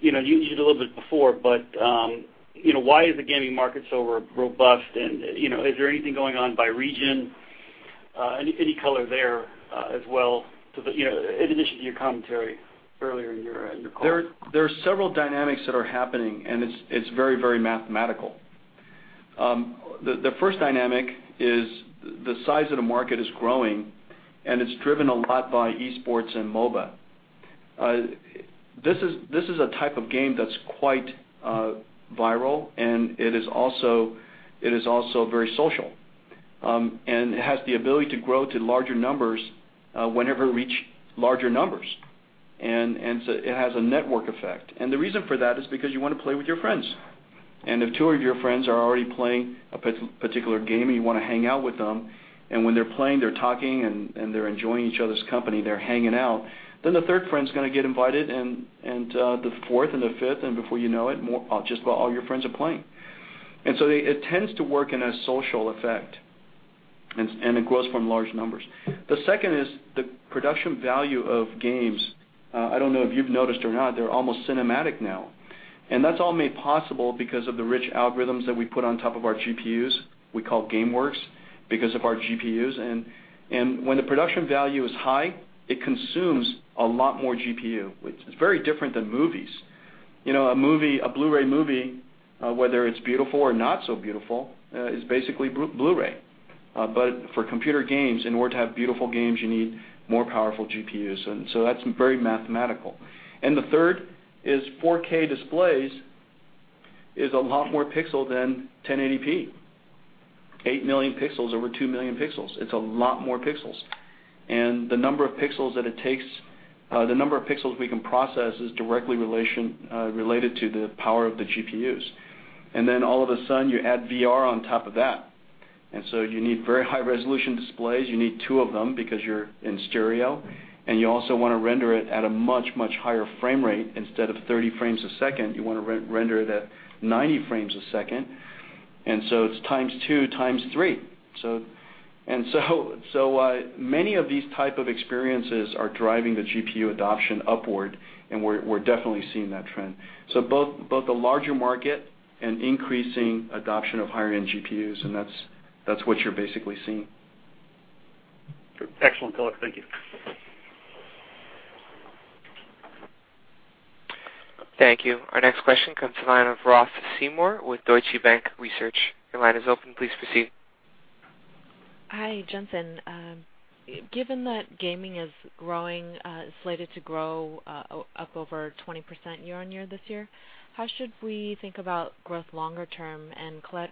you hit a little bit before, but why is the gaming market so robust, and is there anything going on by region? Any color there as well in addition to your commentary earlier in your call. There are several dynamics that are happening, and it's very, very mathematical. The first dynamic is the size of the market is growing, and it's driven a lot by esports and MOBA. This is a type of game that's quite viral, and it is also very social. It has the ability to grow to larger numbers whenever it reach larger numbers. It has a network effect. The reason for that is because you want to play with your friends. If two of your friends are already playing a particular game and you want to hang out with them, and when they're playing, they're talking and they're enjoying each other's company, they're hanging out, then the third friend's going to get invited and the fourth and the fifth, and before you know it, just about all your friends are playing. It tends to work in a social effect, and it grows from large numbers. The second is the production value of games. I don't know if you've noticed or not, they're almost cinematic now. That's all made possible because of the rich algorithms that we put on top of our GPUs, we call GameWorks because of our GPUs. When the production value is high, it consumes a lot more GPU, which is very different than movies. A Blu-ray movie, whether it's beautiful or not so beautiful, is basically Blu-ray. For computer games, in order to have beautiful games, you need more powerful GPUs. That's very mathematical. The third is 4K displays is a lot more pixel than 1080p, eight million pixels over two million pixels. It's a lot more pixels. The number of pixels we can process is directly related to the power of the GPUs. All of a sudden you add VR on top of that. You need very high-resolution displays. You need two of them because you're in stereo, and you also want to render it at a much, much higher frame rate. Instead of 30 frames a second, you want to render it at 90 frames a second, and so it's times two, times three. Many of these type of experiences are driving the GPU adoption upward, and we're definitely seeing that trend. Both the larger market and increasing adoption of higher-end GPUs, and that's what you're basically seeing. Excellent, Colette. Thank you. Thank you. Our next question comes to the line of Ross Seymore with Deutsche Bank Research. Your line is open. Please proceed. Hi, Jensen. Given that gaming is slated to grow up over 20% year-on-year this year, how should we think about growth longer term? Colette,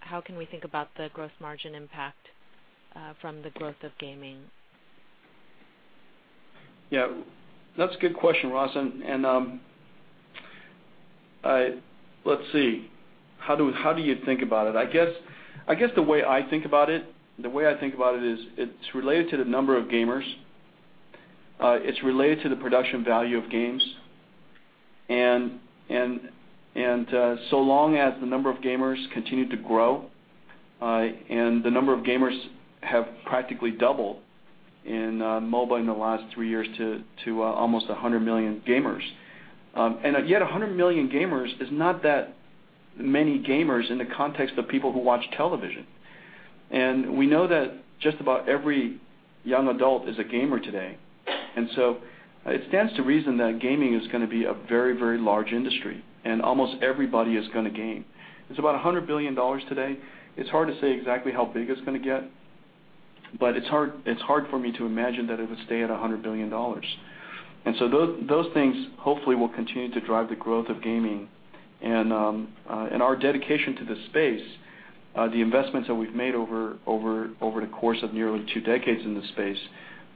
how can we think about the gross margin impact from the growth of gaming? Yeah, that's a good question, Ross. Let's see. How do you think about it? I guess the way I think about it is it's related to the number of gamers. It's related to the production value of games, and so long as the number of gamers continue to grow, and the number of gamers have practically doubled in mobile in the last three years to almost 100 million gamers. Yet 100 million gamers is not that many gamers in the context of people who watch television. We know that just about every young adult is a gamer today. So it stands to reason that gaming is going to be a very, very large industry, and almost everybody is going to game. It's about $100 billion today. It's hard to say exactly how big it's going to get, but it's hard for me to imagine that it would stay at $100 billion. So those things, hopefully, will continue to drive the growth of gaming and our dedication to the space. The investments that we've made over the course of nearly two decades in this space,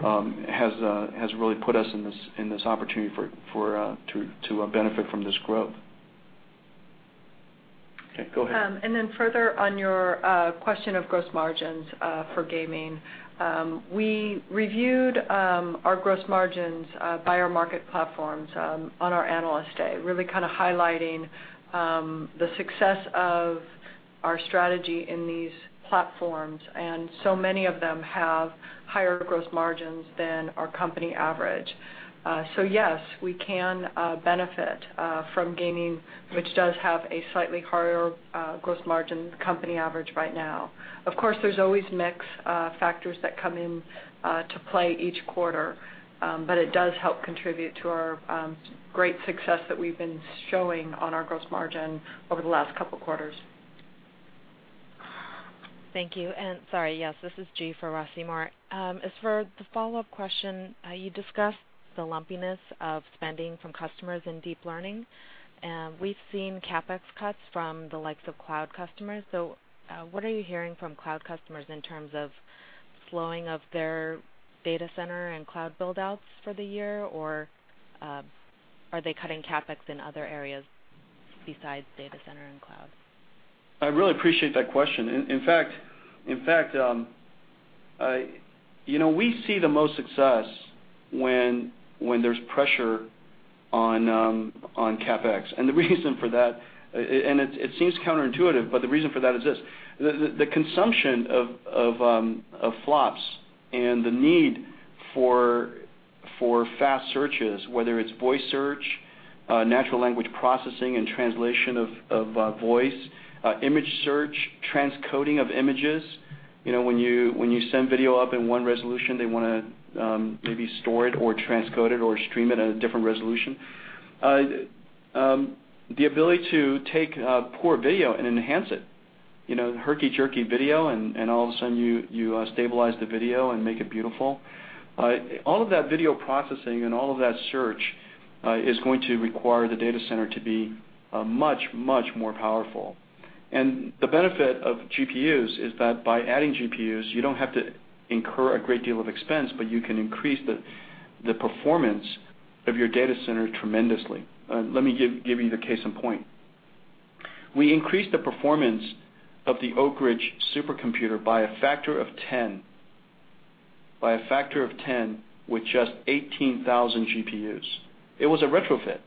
has really put us in this opportunity to benefit from this growth. Okay, go ahead. Further on your question of gross margins for gaming, we reviewed our gross margins by our market platforms on our Analyst Day, really kind of highlighting the success of our strategy in these platforms, and so many of them have higher gross margins than our company average. Yes, we can benefit from gaming, which does have a slightly higher gross margin company average right now. Of course, there's always mix factors that come into play each quarter, but it does help contribute to our great success that we've been showing on our gross margin over the last couple of quarters. Thank you, and sorry. Yes, this is G for Ross Seymore. As for the follow-up question, you discussed the lumpiness of spending from customers in deep learning. We've seen CapEx cuts from the likes of cloud customers. What are you hearing from cloud customers in terms of slowing of their data center and cloud build-outs for the year, or are they cutting CapEx in other areas besides data center and cloud? I really appreciate that question. In fact, we see the most success when there's pressure on CapEx. It seems counterintuitive, but the reason for that is this. The consumption of flops and the need for fast searches, whether it's voice search, natural language processing and translation of voice, image search, transcoding of images. When you send video up in one resolution, they want to maybe store it or transcode it or stream it at a different resolution. The ability to take poor video and enhance it, herky-jerky video, and all of a sudden you stabilize the video and make it beautiful. All of that video processing and all of that search is going to require the data center to be much, much more powerful. The benefit of GPUs is that by adding GPUs, you don't have to incur a great deal of expense, but you can increase the performance of your data center tremendously. Let me give you the case in point. We increased the performance of the Oak Ridge supercomputer by a factor of 10 with just 18,000 GPUs. It was a retrofit.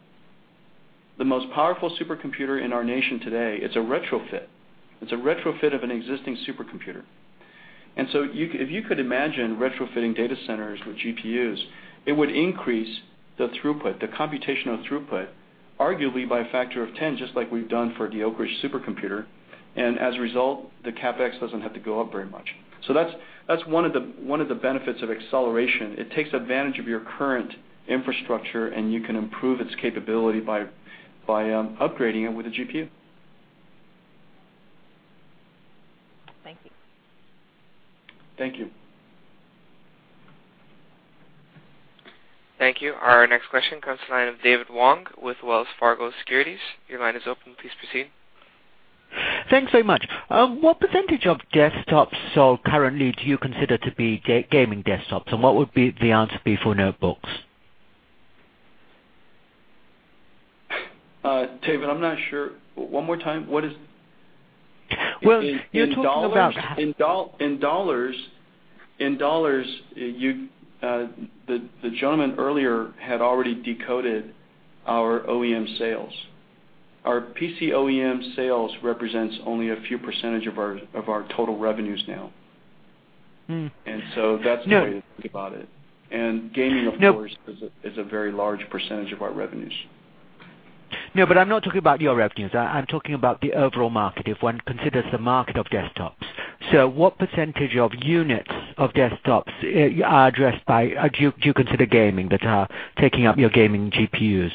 The most powerful supercomputer in our nation today, it's a retrofit. It's a retrofit of an existing supercomputer. If you could imagine retrofitting data centers with GPUs, it would increase the throughput, the computational throughput, arguably by a factor of 10, just like we've done for the Oak Ridge supercomputer. As a result, the CapEx doesn't have to go up very much. That's one of the benefits of acceleration. It takes advantage of your current infrastructure, and you can improve its capability by upgrading it with a GPU. Thank you. Thank you. Thank you. Our next question comes to the line of David Wong with Wells Fargo Securities. Your line is open. Please proceed. Thanks very much. What % of desktops sold currently do you consider to be gaming desktops? What would be the answer for notebooks? David, I'm not sure. One more time, what is- Well, you're talking about- In dollars, the gentleman earlier had already decoded our OEM sales. Our PC OEM sales represents only a few percentage of our total revenues now. That's the way to think about it. Gaming, of course- No is a very large percentage of our revenues. No, I'm not talking about your revenues. I'm talking about the overall market, if one considers the market of desktops. What percentage of units of desktops do you consider gaming that are taking up your gaming GPUs?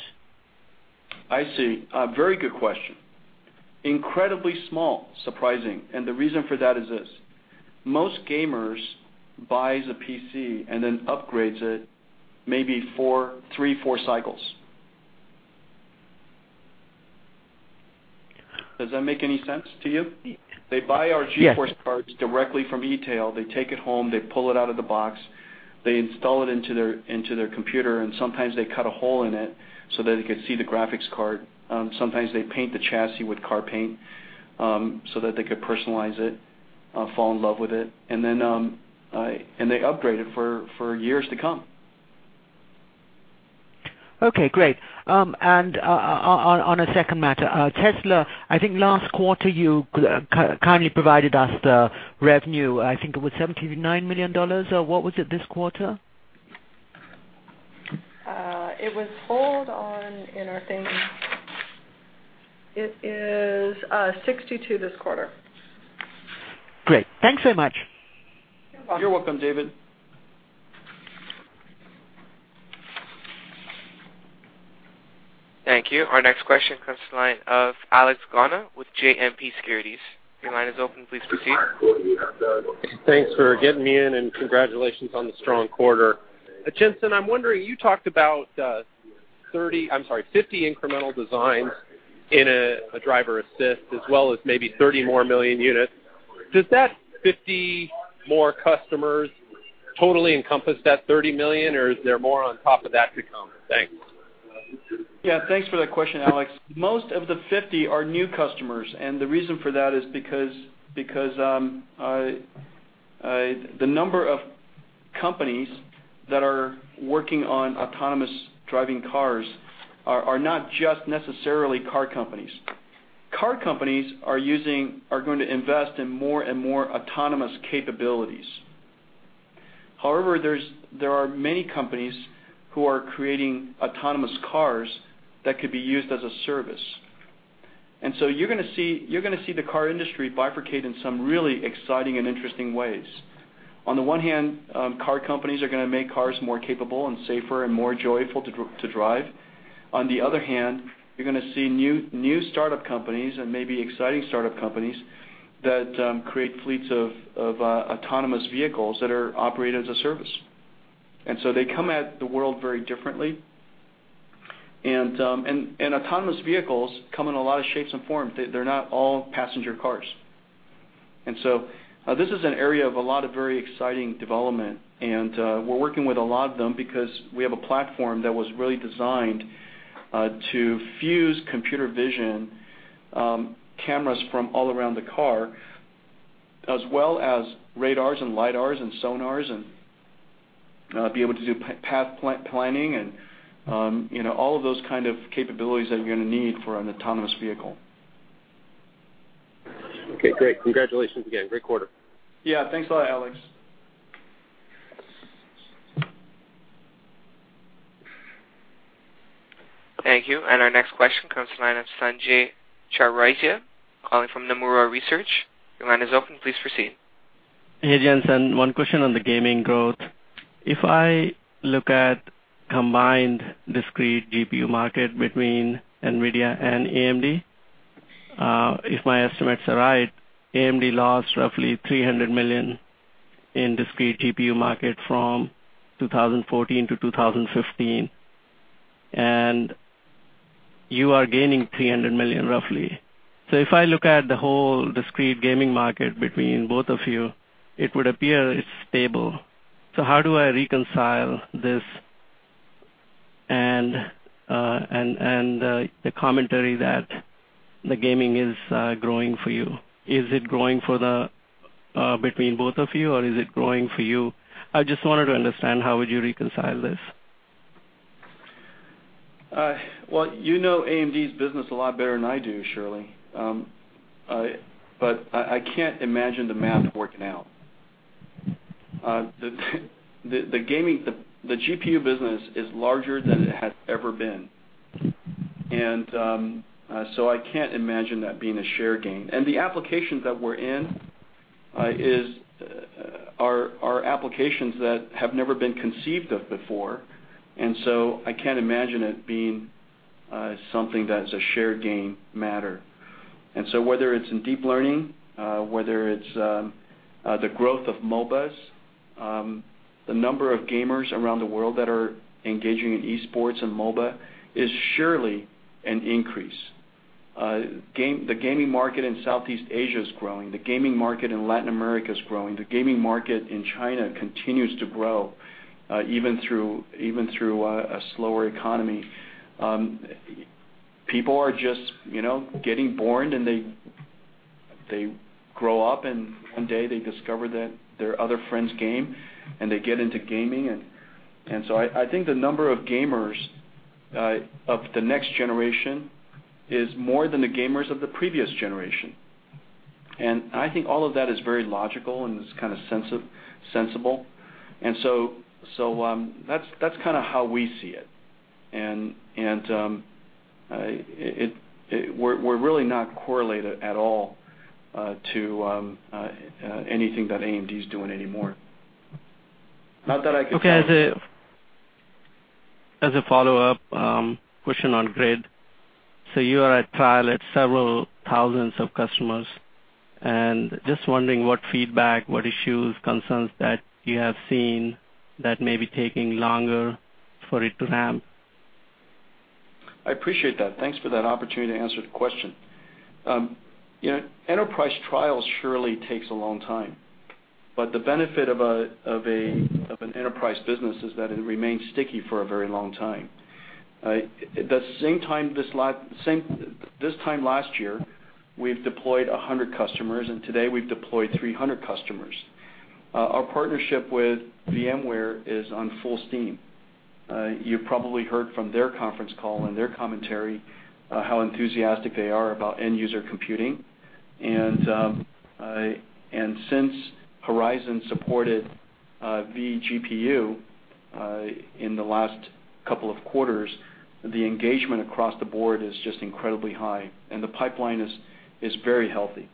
I see. Very good question. Incredibly small. Surprising. The reason for that is this: most gamers buys a PC and then upgrades it maybe three, four cycles. Does that make any sense to you? Yes. They buy our GeForce cards directly from e-tail. They take it home, they pull it out of the box, they install it into their computer, and sometimes they cut a hole in it so that they could see the graphics card. Sometimes they paint the chassis with car paint, so that they could personalize it, fall in love with it, and they upgrade it for years to come. Okay, great. On a second matter, Tesla, I think last quarter you kindly provided us the revenue, I think it was $79 million. What was it this quarter? Hold on in our thingy. It is $62 this quarter. Great. Thanks very much. You're welcome. You're welcome, David. Thank you. Our next question comes to the line of Alex Gauna with JMP Securities. Your line is open. Please proceed. Thanks for getting me in. Congratulations on the strong quarter. Jensen, I'm wondering, you talked about 50 incremental designs in a driver-assist, as well as maybe 30 million units. Does that 50 customers totally encompass that 30 million, or is there more on top of that to come? Thanks. Yeah. Thanks for that question, Alex. Most of the 50 new customers, the reason for that is because the number of companies that are working on autonomous driving cars are not just necessarily car companies. Car companies are going to invest in more and more autonomous capabilities. However, there are many companies who are creating autonomous cars that could be used as a service. You're gonna see the car industry bifurcate in some really exciting and interesting ways. On the one hand, car companies are gonna make cars more capable and safer and more joyful to drive. On the other hand, you're gonna see new startup companies, and maybe exciting startup companies, that create fleets of autonomous vehicles that are operated as a service. They come at the world very differently. Autonomous vehicles come in a lot of shapes and forms. They're not all passenger cars. This is an area of a lot of very exciting development, and we're working with a lot of them because we have a platform that was really designed to fuse computer vision cameras from all around the car, as well as radars and LIDARs and sonars, and be able to do path planning and all of those kind of capabilities that you're gonna need for an autonomous vehicle. Okay, great. Congratulations again. Great quarter. Yeah. Thanks a lot, Alex. Thank you. Our next question comes to the line of Sanjay Jha, calling from Nomura Research. Your line is open. Please proceed. Hey, Jensen. One question on the gaming growth. If I look at combined discrete GPU market between NVIDIA and AMD, if my estimates are right, AMD lost roughly $300 million in discrete GPU market from 2014 to 2015, and you are gaining $300 million roughly. If I look at the whole discrete gaming market between both of you, it would appear it's stable. How do I reconcile this and the commentary that the gaming is growing for you? Is it growing between both of you, or is it growing for you? I just wanted to understand how would you reconcile this. Well, you know AMD's business a lot better than I do, Blayne Curtis. I can't imagine the math working out. The GPU business is larger than it has ever been. I can't imagine that being a share gain. The applications that we're in are applications that have never been conceived of before, and so I can't imagine it being something that is a share gain matter. Whether it's in deep learning, whether it's the growth of MOBAs, the number of gamers around the world that are engaging in esports and MOBA is surely an increase. The gaming market in Southeast Asia is growing. The gaming market in Latin America is growing. The gaming market in China continues to grow, even through a slower economy. People are just getting born, and they grow up, and one day they discover that their other friends game, and they get into gaming. I think the number of gamers of the next generation is more than the gamers of the previous generation. I think all of that is very logical and is kind of sensible. That's kind of how we see it. We're really not correlated at all to anything that AMD's doing anymore. Not that I can tell. Okay. As a follow-up question on GRID. You are at trial at several thousands of customers, and just wondering what feedback, what issues, concerns that you have seen that may be taking longer for it to ramp? I appreciate that. Thanks for that opportunity to answer the question. Enterprise trials surely takes a long time, but the benefit of an enterprise business is that it remains sticky for a very long time. This time last year, we've deployed 100 customers, and today we've deployed 300 customers. Our partnership with VMware is on full steam. You probably heard from their conference call and their commentary, how enthusiastic they are about end user computing. Since Horizon supported vGPU, in the last couple of quarters, the engagement across the board is just incredibly high, and the pipeline is very healthy.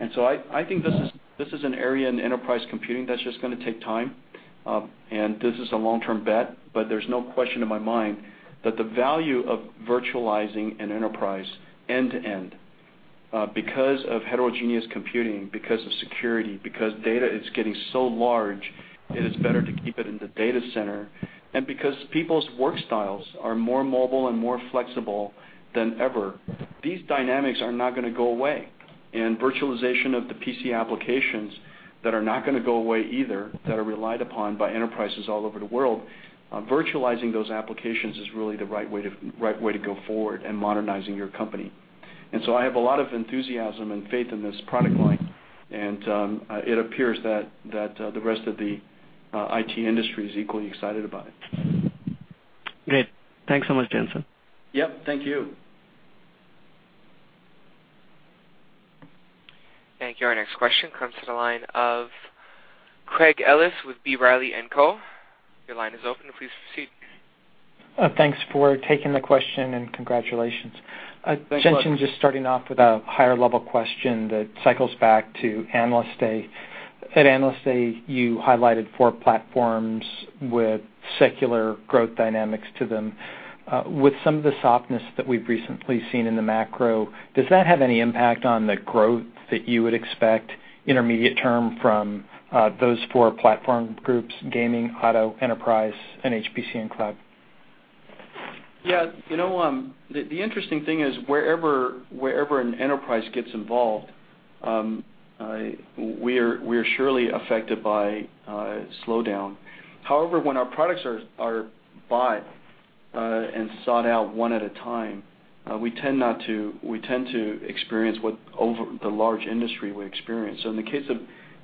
I think this is an area in enterprise computing that's just going to take time. This is a long-term bet, but there's no question in my mind that the value of virtualizing an enterprise end-to-end, because of heterogeneous computing, because of security, because data is getting so large, it is better to keep it in the data center, and because people's work styles are more mobile and more flexible than ever. These dynamics are not going to go away. Virtualization of the PC applications that are not going to go away either, that are relied upon by enterprises all over the world, virtualizing those applications is really the right way to go forward and modernizing your company. I have a lot of enthusiasm and faith in this product line, and it appears that the rest of the IT industry is equally excited about it. Great. Thanks so much, Jensen. Yep, thank you. Thank you. Our next question comes to the line of Craig Ellis with B. Riley & Co. Your line is open. Please proceed. Thanks for taking the question, and congratulations. Thanks, bud. Jensen, just starting off with a higher level question that cycles back to Analyst Day. At Analyst Day, you highlighted four platforms with secular growth dynamics to them. With some of the softness that we've recently seen in the macro, does that have any impact on the growth that you would expect intermediate term from those four platform groups, gaming, auto, enterprise, and HPC and cloud? The interesting thing is wherever an enterprise gets involved, we're surely affected by slowdown. When our products are bought and sought out one at a time, we tend to experience what the large industry would experience.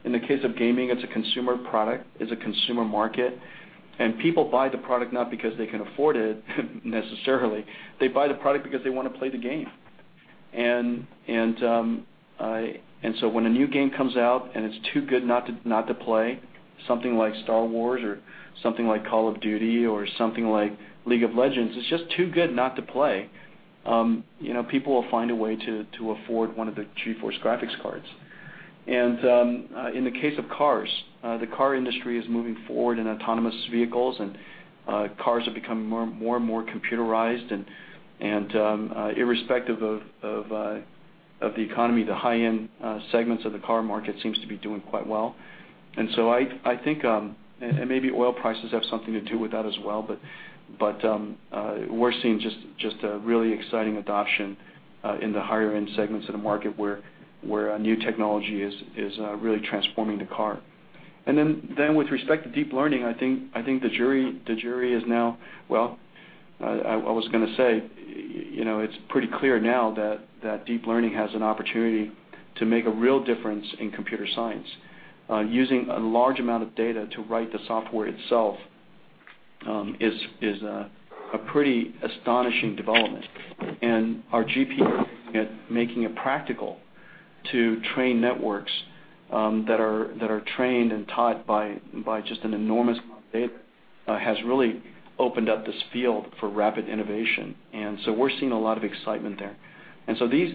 In the case of gaming, it's a consumer product, it's a consumer market, people buy the product not because they can afford it necessarily. They buy the product because they want to play the game. When a new game comes out and it's too good not to play, something like "Star Wars" or something like "Call of Duty" or something like "League of Legends," it's just too good not to play. People will find a way to afford one of the GeForce graphics cards. In the case of cars, the car industry is moving forward in autonomous vehicles, cars are becoming more and more computerized, irrespective of the economy, the high-end segments of the car market seems to be doing quite well. Maybe oil prices have something to do with that as well, we're seeing just a really exciting adoption in the higher-end segments of the market where a new technology is really transforming the car. With respect to deep learning, I think the jury is now pretty clear that deep learning has an opportunity to make a real difference in computer science, using a large amount of data to write the software itself is a pretty astonishing development. Our GPU, making it practical to train networks that are trained and taught by just an enormous amount of data, has really opened up this field for rapid innovation. We're seeing a lot of excitement there.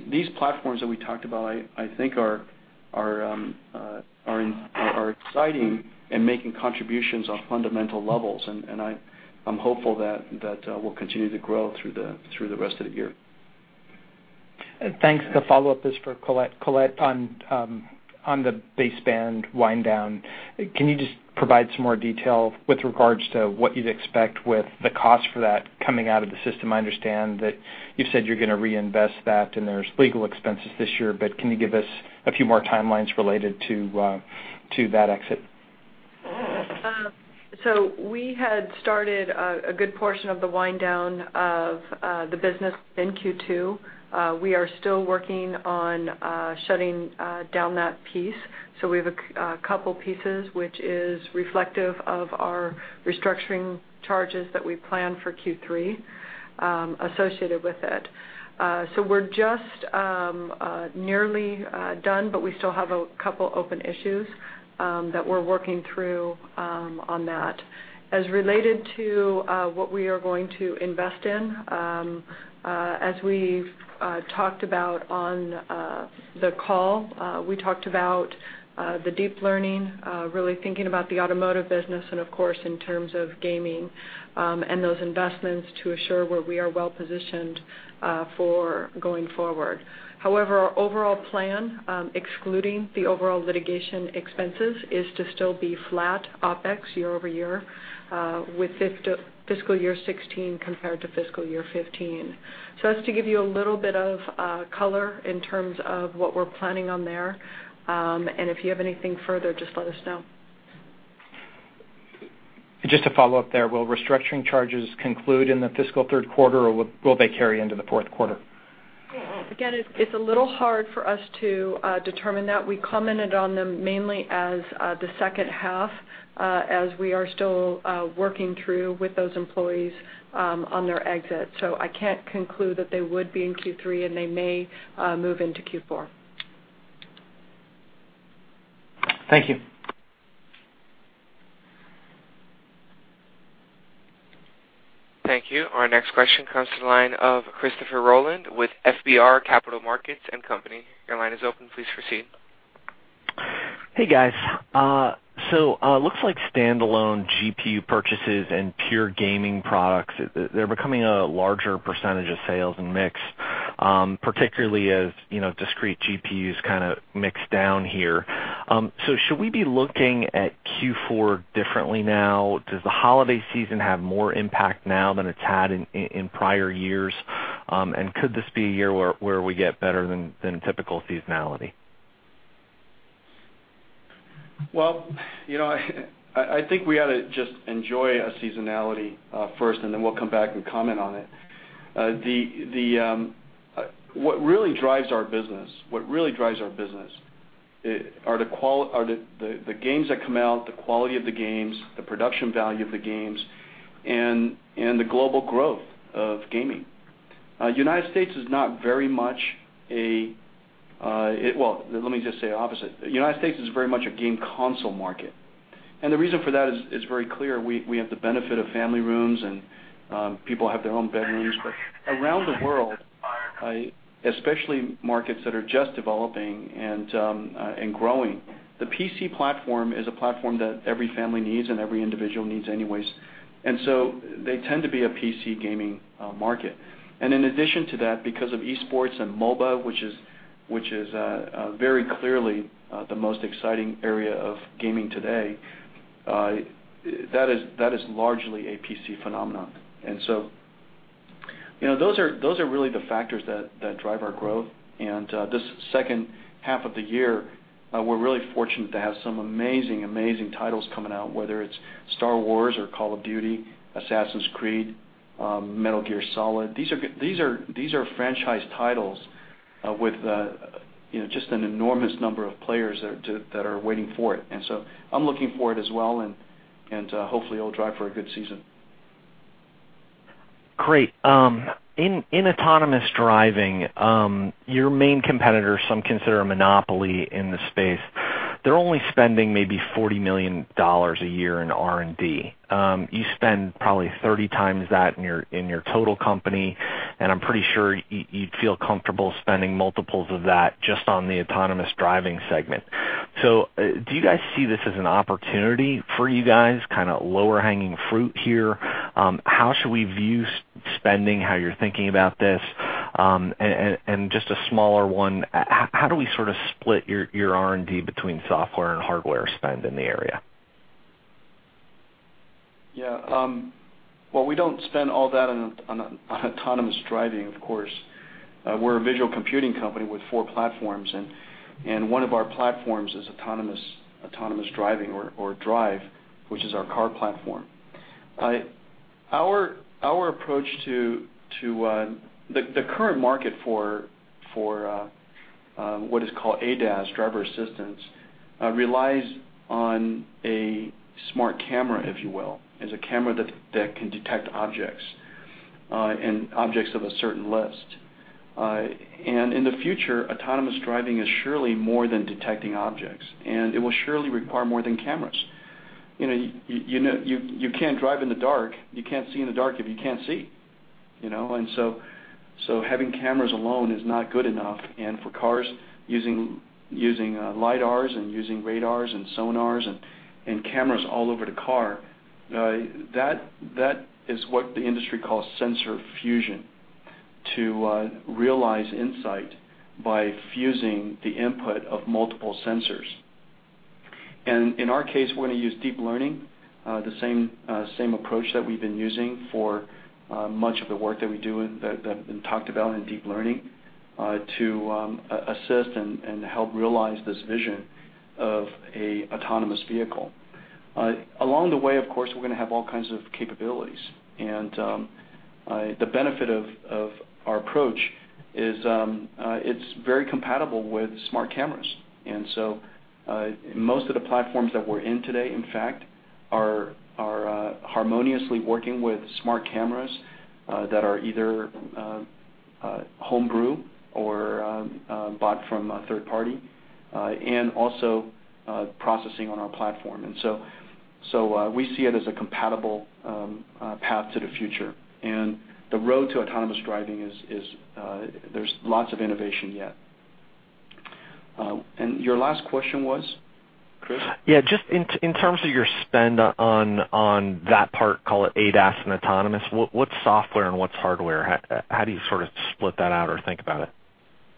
These platforms that we talked about, I think are exciting and making contributions on fundamental levels, I'm hopeful that we'll continue to grow through the rest of the year. Thanks. The follow-up is for Colette. Colette, on the baseband wind down, can you just provide some more detail with regards to what you'd expect with the cost for that coming out of the system? I understand that you said you're going to reinvest that, there's legal expenses this year, can you give us a few more timelines related to that exit? We had started a good portion of the wind down of the business in Q2. We are still working on shutting down that piece. We have a couple pieces, which is reflective of our restructuring charges that we plan for Q3 associated with it. We're just nearly done, but we still have a couple open issues that we're working through on that. As related to what we are going to invest in, as we've talked about on the call, we talked about the deep learning, really thinking about the automotive business, and of course, in terms of gaming, and those investments to assure where we are well-positioned for going forward. However, our overall plan, excluding the overall litigation expenses, is to still be flat OpEx year-over-year with fiscal year 2016 compared to fiscal year 2015. That's to give you a little bit of color in terms of what we're planning on there. If you have anything further, just let us know. Just to follow up there, will restructuring charges conclude in the fiscal third quarter, or will they carry into the fourth quarter? Again, it's a little hard for us to determine that. We commented on them mainly as the second half, as we are still working through with those employees on their exit. I can't conclude that they would be in Q3, and they may move into Q4. Thank you. Thank you. Our next question comes to the line of Christopher Rowland with FBR Capital Markets & Co. Your line is open. Please proceed. Hey, guys. It looks like standalone GPU purchases and pure gaming products, they're becoming a larger percentage of sales and mix, particularly as discrete GPUs kind of mix down here. Should we be looking at Q4 differently now? Does the holiday season have more impact now than it's had in prior years? Could this be a year where we get better than typical seasonality? Well, I think we ought to just enjoy a seasonality first, and then we'll come back and comment on it. What really drives our business are the games that come out, the quality of the games, the production value of the games, and the global growth of gaming. United States is not very much a Well, let me just say opposite. United States is very much a game console market, and the reason for that is very clear. We have the benefit of family rooms, and people have their own bedrooms. Around the world, especially markets that are just developing and growing, the PC platform is a platform that every family needs and every individual needs anyways. They tend to be a PC gaming market. In addition to that, because of esports and MOBA, which is very clearly the most exciting area of gaming today, that is largely a PC phenomenon. Those are really the factors that drive our growth. This second half of the year, we're really fortunate to have some amazing titles coming out, whether it's "Star Wars" or "Call of Duty," "Assassin's Creed," "Metal Gear Solid." These are franchise titles with just an enormous number of players that are waiting for it. I'm looking for it as well, and hopefully it'll drive for a good season. Great. In autonomous driving, your main competitor, some consider a monopoly in the space, they're only spending maybe $40 million a year in R&D. You spend probably 30 times that in your total company, and I'm pretty sure you'd feel comfortable spending multiples of that just on the autonomous driving segment. Do you guys see this as an opportunity for you guys, kind of lower hanging fruit here? How should we view spending, how you're thinking about this? Just a smaller one, how do we sort of split your R&D between software and hardware spend in the area? Well, we don't spend all that on autonomous driving, of course. We're a visual computing company with four platforms, and one of our platforms is autonomous driving or Drive, which is our car platform. Our approach to the current market for what is called ADAS driver assistance relies on a smart camera, if you will. It's a camera that can detect objects, and objects of a certain list. In the future, autonomous driving is surely more than detecting objects, and it will surely require more than cameras. You can't drive in the dark. You can't see in the dark if you can't see. Having cameras alone is not good enough. For cars using LIDARs and using radars and sonars and cameras all over the car, that is what the industry calls sensor fusion, to realize insight by fusing the input of multiple sensors. In our case, we're going to use deep learning, the same approach that we've been using for much of the work that we do, that have been talked about in deep learning, to assist and help realize this vision of an autonomous vehicle. Along the way, of course, we're going to have all kinds of capabilities. The benefit of our approach is it's very compatible with smart cameras. Most of the platforms that we're in today, in fact, are harmoniously working with smart cameras that are either home brew or bought from a third party, and also processing on our platform. We see it as a compatible path to the future. The road to autonomous driving is there's lots of innovation yet. Your last question was, Chris? Yeah, just in terms of your spend on that part, call it ADAS and autonomous, what's software and what's hardware? How do you sort of split that out or think about it?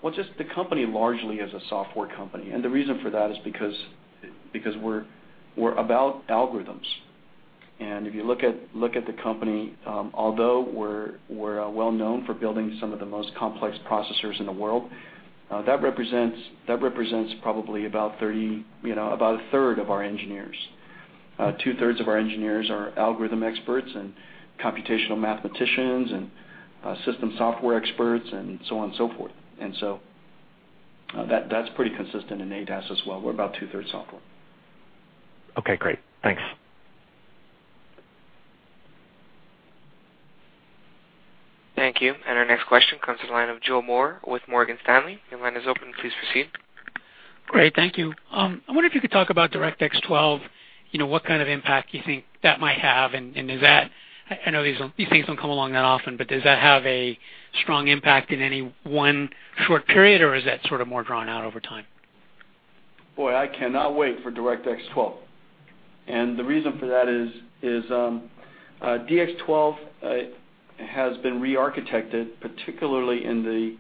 Well, just the company largely is a software company, the reason for that is because we're about algorithms. If you look at the company, although we're well known for building some of the most complex processors in the world, that represents probably about a third of our engineers. Two-thirds of our engineers are algorithm experts and computational mathematicians and system software experts and so on and so forth. That's pretty consistent in ADAS as well. We're about two-thirds software. Okay, great. Thanks. Thank you. Our next question comes to the line of Joseph Moore with Morgan Stanley. Your line is open. Please proceed. Great. Thank you. I wonder if you could talk about DirectX 12, what kind of impact you think that might have. I know these things don't come along that often, does that have a strong impact in any one short period, or is that sort of more drawn out over time? Boy, I cannot wait for DirectX 12. The reason for that is DX12 has been rearchitected, particularly in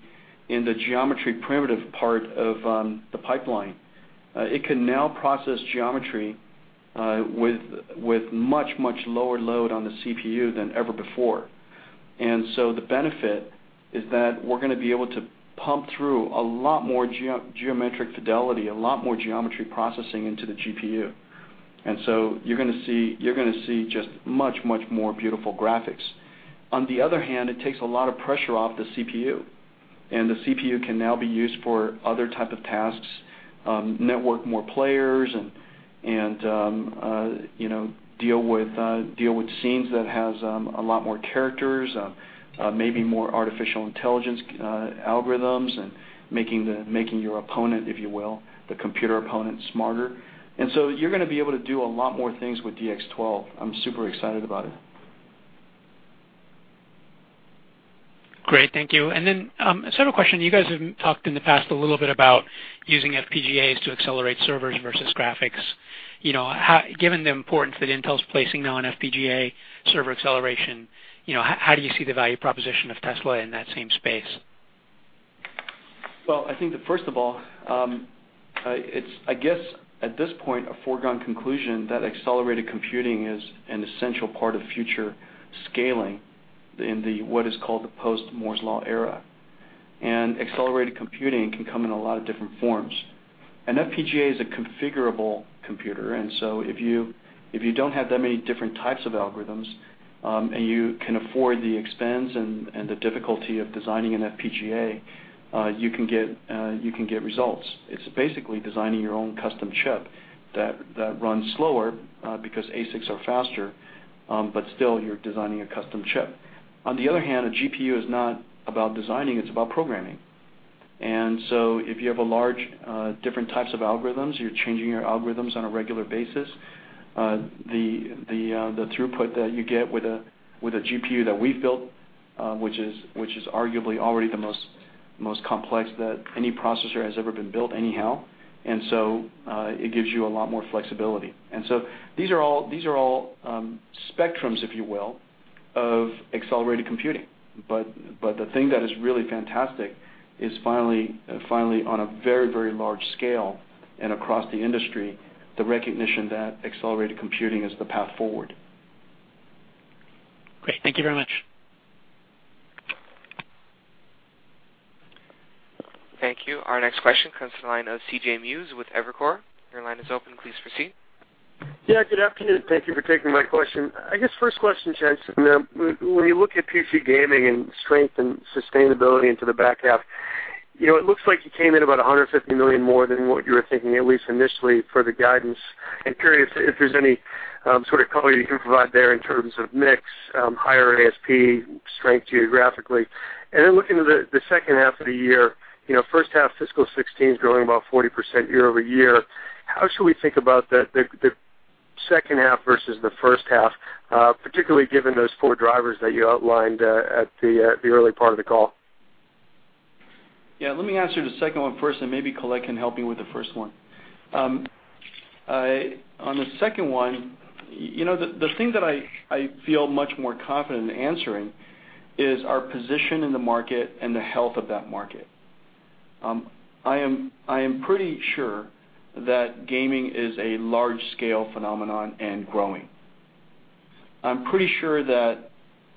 the geometry primitive part of the pipeline. It can now process geometry with much, much lower load on the CPU than ever before. The benefit is that we're going to be able to pump through a lot more geometric fidelity, a lot more geometry processing into the GPU. You're going to see just much, much more beautiful graphics. On the other hand, it takes a lot of pressure off the CPU, and the CPU can now be used for other type of tasks, network more players, and deal with scenes that has a lot more characters, maybe more artificial intelligence algorithms, and making your opponent, if you will, the computer opponent, smarter. You're going to be able to do a lot more things with DX12. I'm super excited about it. Great. Thank you. Sort of a question, you guys have talked in the past a little bit about using FPGAs to accelerate servers versus graphics. Given the importance that Intel's placing now on FPGA server acceleration, how do you see the value proposition of Tesla in that same space? Well, I think that first of all, it's, I guess at this point, a foregone conclusion that accelerated computing is an essential part of future scaling in what is called the post-Moore's Law era. Accelerated computing can come in a lot of different forms. An FPGA is a configurable computer. If you don't have that many different types of algorithms, and you can afford the expense and the difficulty of designing an FPGA, you can get results. It's basically designing your own custom chip that runs slower because ASICs are faster, but still, you're designing a custom chip. On the other hand, a GPU is not about designing, it's about programming. If you have a large different types of algorithms, you're changing your algorithms on a regular basis, the throughput that you get with a GPU that we've built, which is arguably already the most complex that any processor has ever been built anyhow. It gives you a lot more flexibility. These are all spectrums, if you will, of accelerated computing. The thing that is really fantastic is finally on a very large scale and across the industry, the recognition that accelerated computing is the path forward. Great. Thank you very much. Thank you. Our next question comes to the line of C.J. Muse with Evercore. Your line is open, please proceed. Good afternoon. Thank you for taking my question. I guess first question, Jensen, when you look at PC gaming and strength and sustainability into the back half, it looks like you came in about $150 million more than what you were thinking, at least initially for the guidance. I'm curious if there's any sort of color you can provide there in terms of mix, higher ASP strength geographically. Looking to the second half of the year, first half fiscal 2016 is growing about 40% year-over-year. How should we think about the second half versus the first half, particularly given those four drivers that you outlined at the early part of the call? Let me answer the second one first, and maybe Colette can help me with the first one. On the second one, the thing that I feel much more confident in answering is our position in the market and the health of that market. I am pretty sure that gaming is a large-scale phenomenon and growing. I'm pretty sure that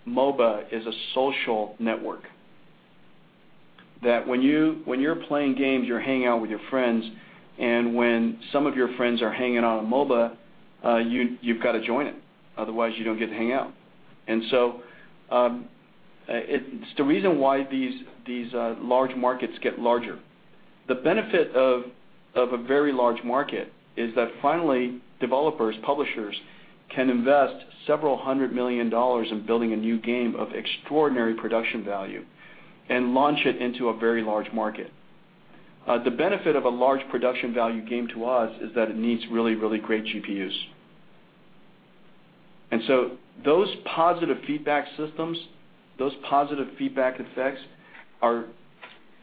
MOBA is a social network, that when you're playing games, you're hanging out with your friends, and when some of your friends are hanging out on MOBA, you've got to join it, otherwise you don't get to hang out. It's the reason why these large markets get larger. The benefit of a very large market is that finally, developers, publishers can invest several hundred million dollars in building a new game of extraordinary production value and launch it into a very large market. The benefit of a large production value game to us is that it needs really great GPUs. Those positive feedback systems, those positive feedback effects, are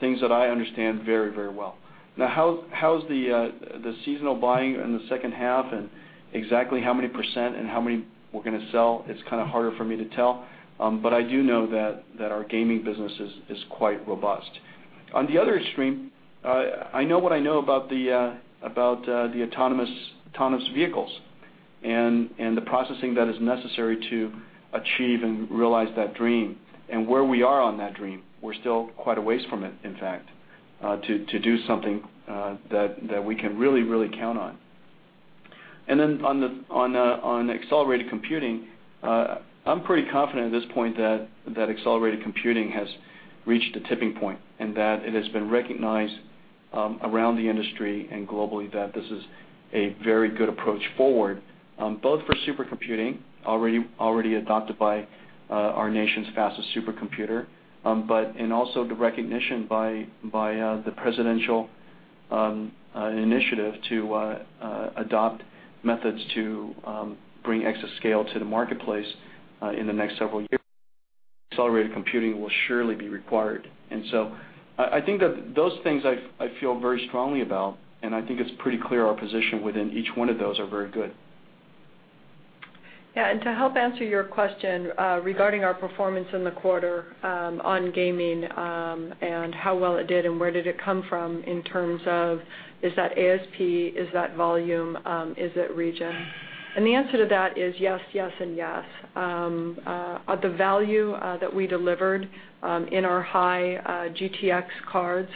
things that I understand very well. How's the seasonal buying in the second half and exactly how many % and how many we're going to sell, it's kind of harder for me to tell. I do know that our gaming business is quite robust. On the other extreme, I know what I know about the autonomous vehicles and the processing that is necessary to achieve and realize that dream, and where we are on that dream. We're still quite a ways from it, in fact, to do something that we can really count on. On accelerated computing, I'm pretty confident at this point that accelerated computing has reached a tipping point, and that it has been recognized around the industry and globally that this is a very good approach forward, both for supercomputing, already adopted by our nation's fastest supercomputer, but in also the recognition by the presidential initiative to adopt methods to bring exascale to the marketplace in the next several years. Accelerated computing will surely be required. I think that those things I feel very strongly about, and I think it's pretty clear our position within each one of those are very good. To help answer your question regarding our performance in the quarter on gaming and how well it did and where did it come from in terms of, is that ASP, is that volume, is it region? The answer to that is yes, and yes. The value that we delivered in our high GTX cards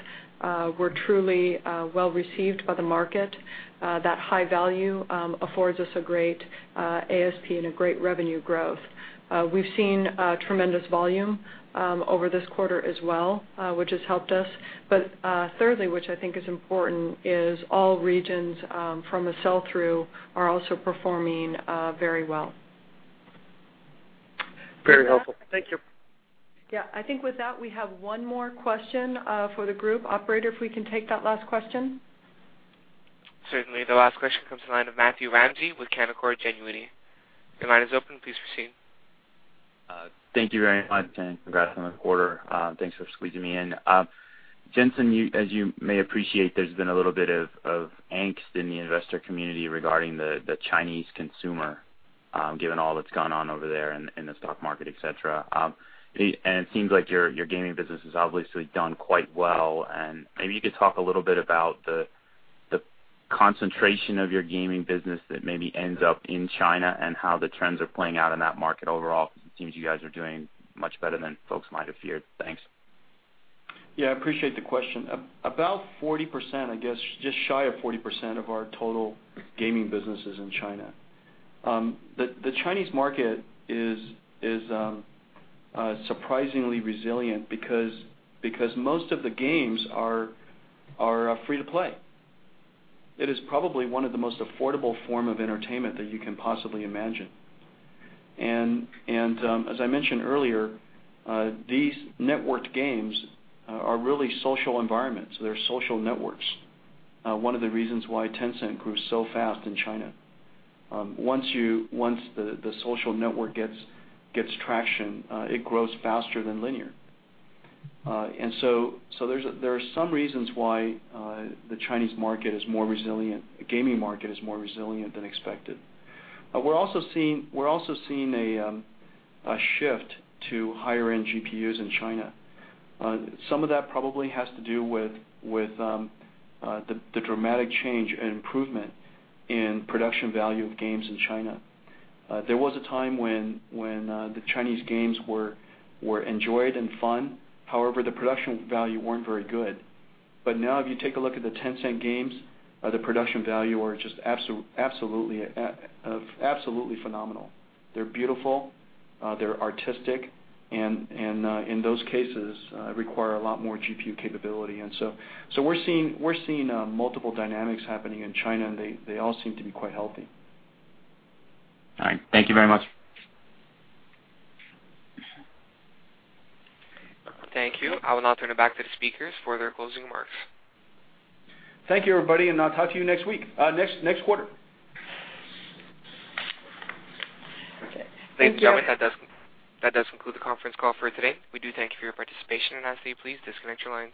were truly well received by the market. That high value affords us a great ASP and a great revenue growth. We've seen tremendous volume over this quarter as well, which has helped us. Thirdly, which I think is important, is all regions from a sell-through are also performing very well. Very helpful. Thank you. I think with that we have one more question for the group. Operator, if we can take that last question. Certainly. The last question comes to the line of Matthew Ramsay with Canaccord Genuity. Your line is open, please proceed. Thank you very much, and congrats on the quarter. Thanks for squeezing me in. Jensen, as you may appreciate, there's been a little bit of angst in the investor community regarding the Chinese consumer, given all that's gone on over there in the stock market, et cetera. It seems like your gaming business has obviously done quite well, and maybe you could talk a little bit about the concentration of your gaming business that maybe ends up in China and how the trends are playing out in that market overall. It seems you guys are doing much better than folks might have feared. Thanks. Yeah, I appreciate the question. About 40%, I guess just shy of 40% of our total gaming business is in China. The Chinese market is surprisingly resilient because most of the games are free to play. It is probably one of the most affordable form of entertainment that you can possibly imagine. As I mentioned earlier, these networked games are really social environments. They're social networks. One of the reasons why Tencent grew so fast in China. Once the social network gets traction, it grows faster than linear. There are some reasons why the Chinese market is more resilient, gaming market is more resilient than expected. We're also seeing a shift to higher-end GPUs in China. Some of that probably has to do with the dramatic change and improvement in production value of games in China. There was a time when the Chinese games were enjoyed and fun, however, the production value weren't very good. Now if you take a look at the Tencent games, the production value are just absolutely phenomenal. They're beautiful, they're artistic, and in those cases, require a lot more GPU capability. We're seeing multiple dynamics happening in China, and they all seem to be quite healthy. All right. Thank you very much. Thank you. I will now turn it back to the speakers for their closing remarks. Thank you, everybody, and I'll talk to you next week, next quarter. Okay. Thank you. Thank you, gentlemen. That does conclude the conference call for today. We do thank you for your participation, and I ask that you please disconnect your lines.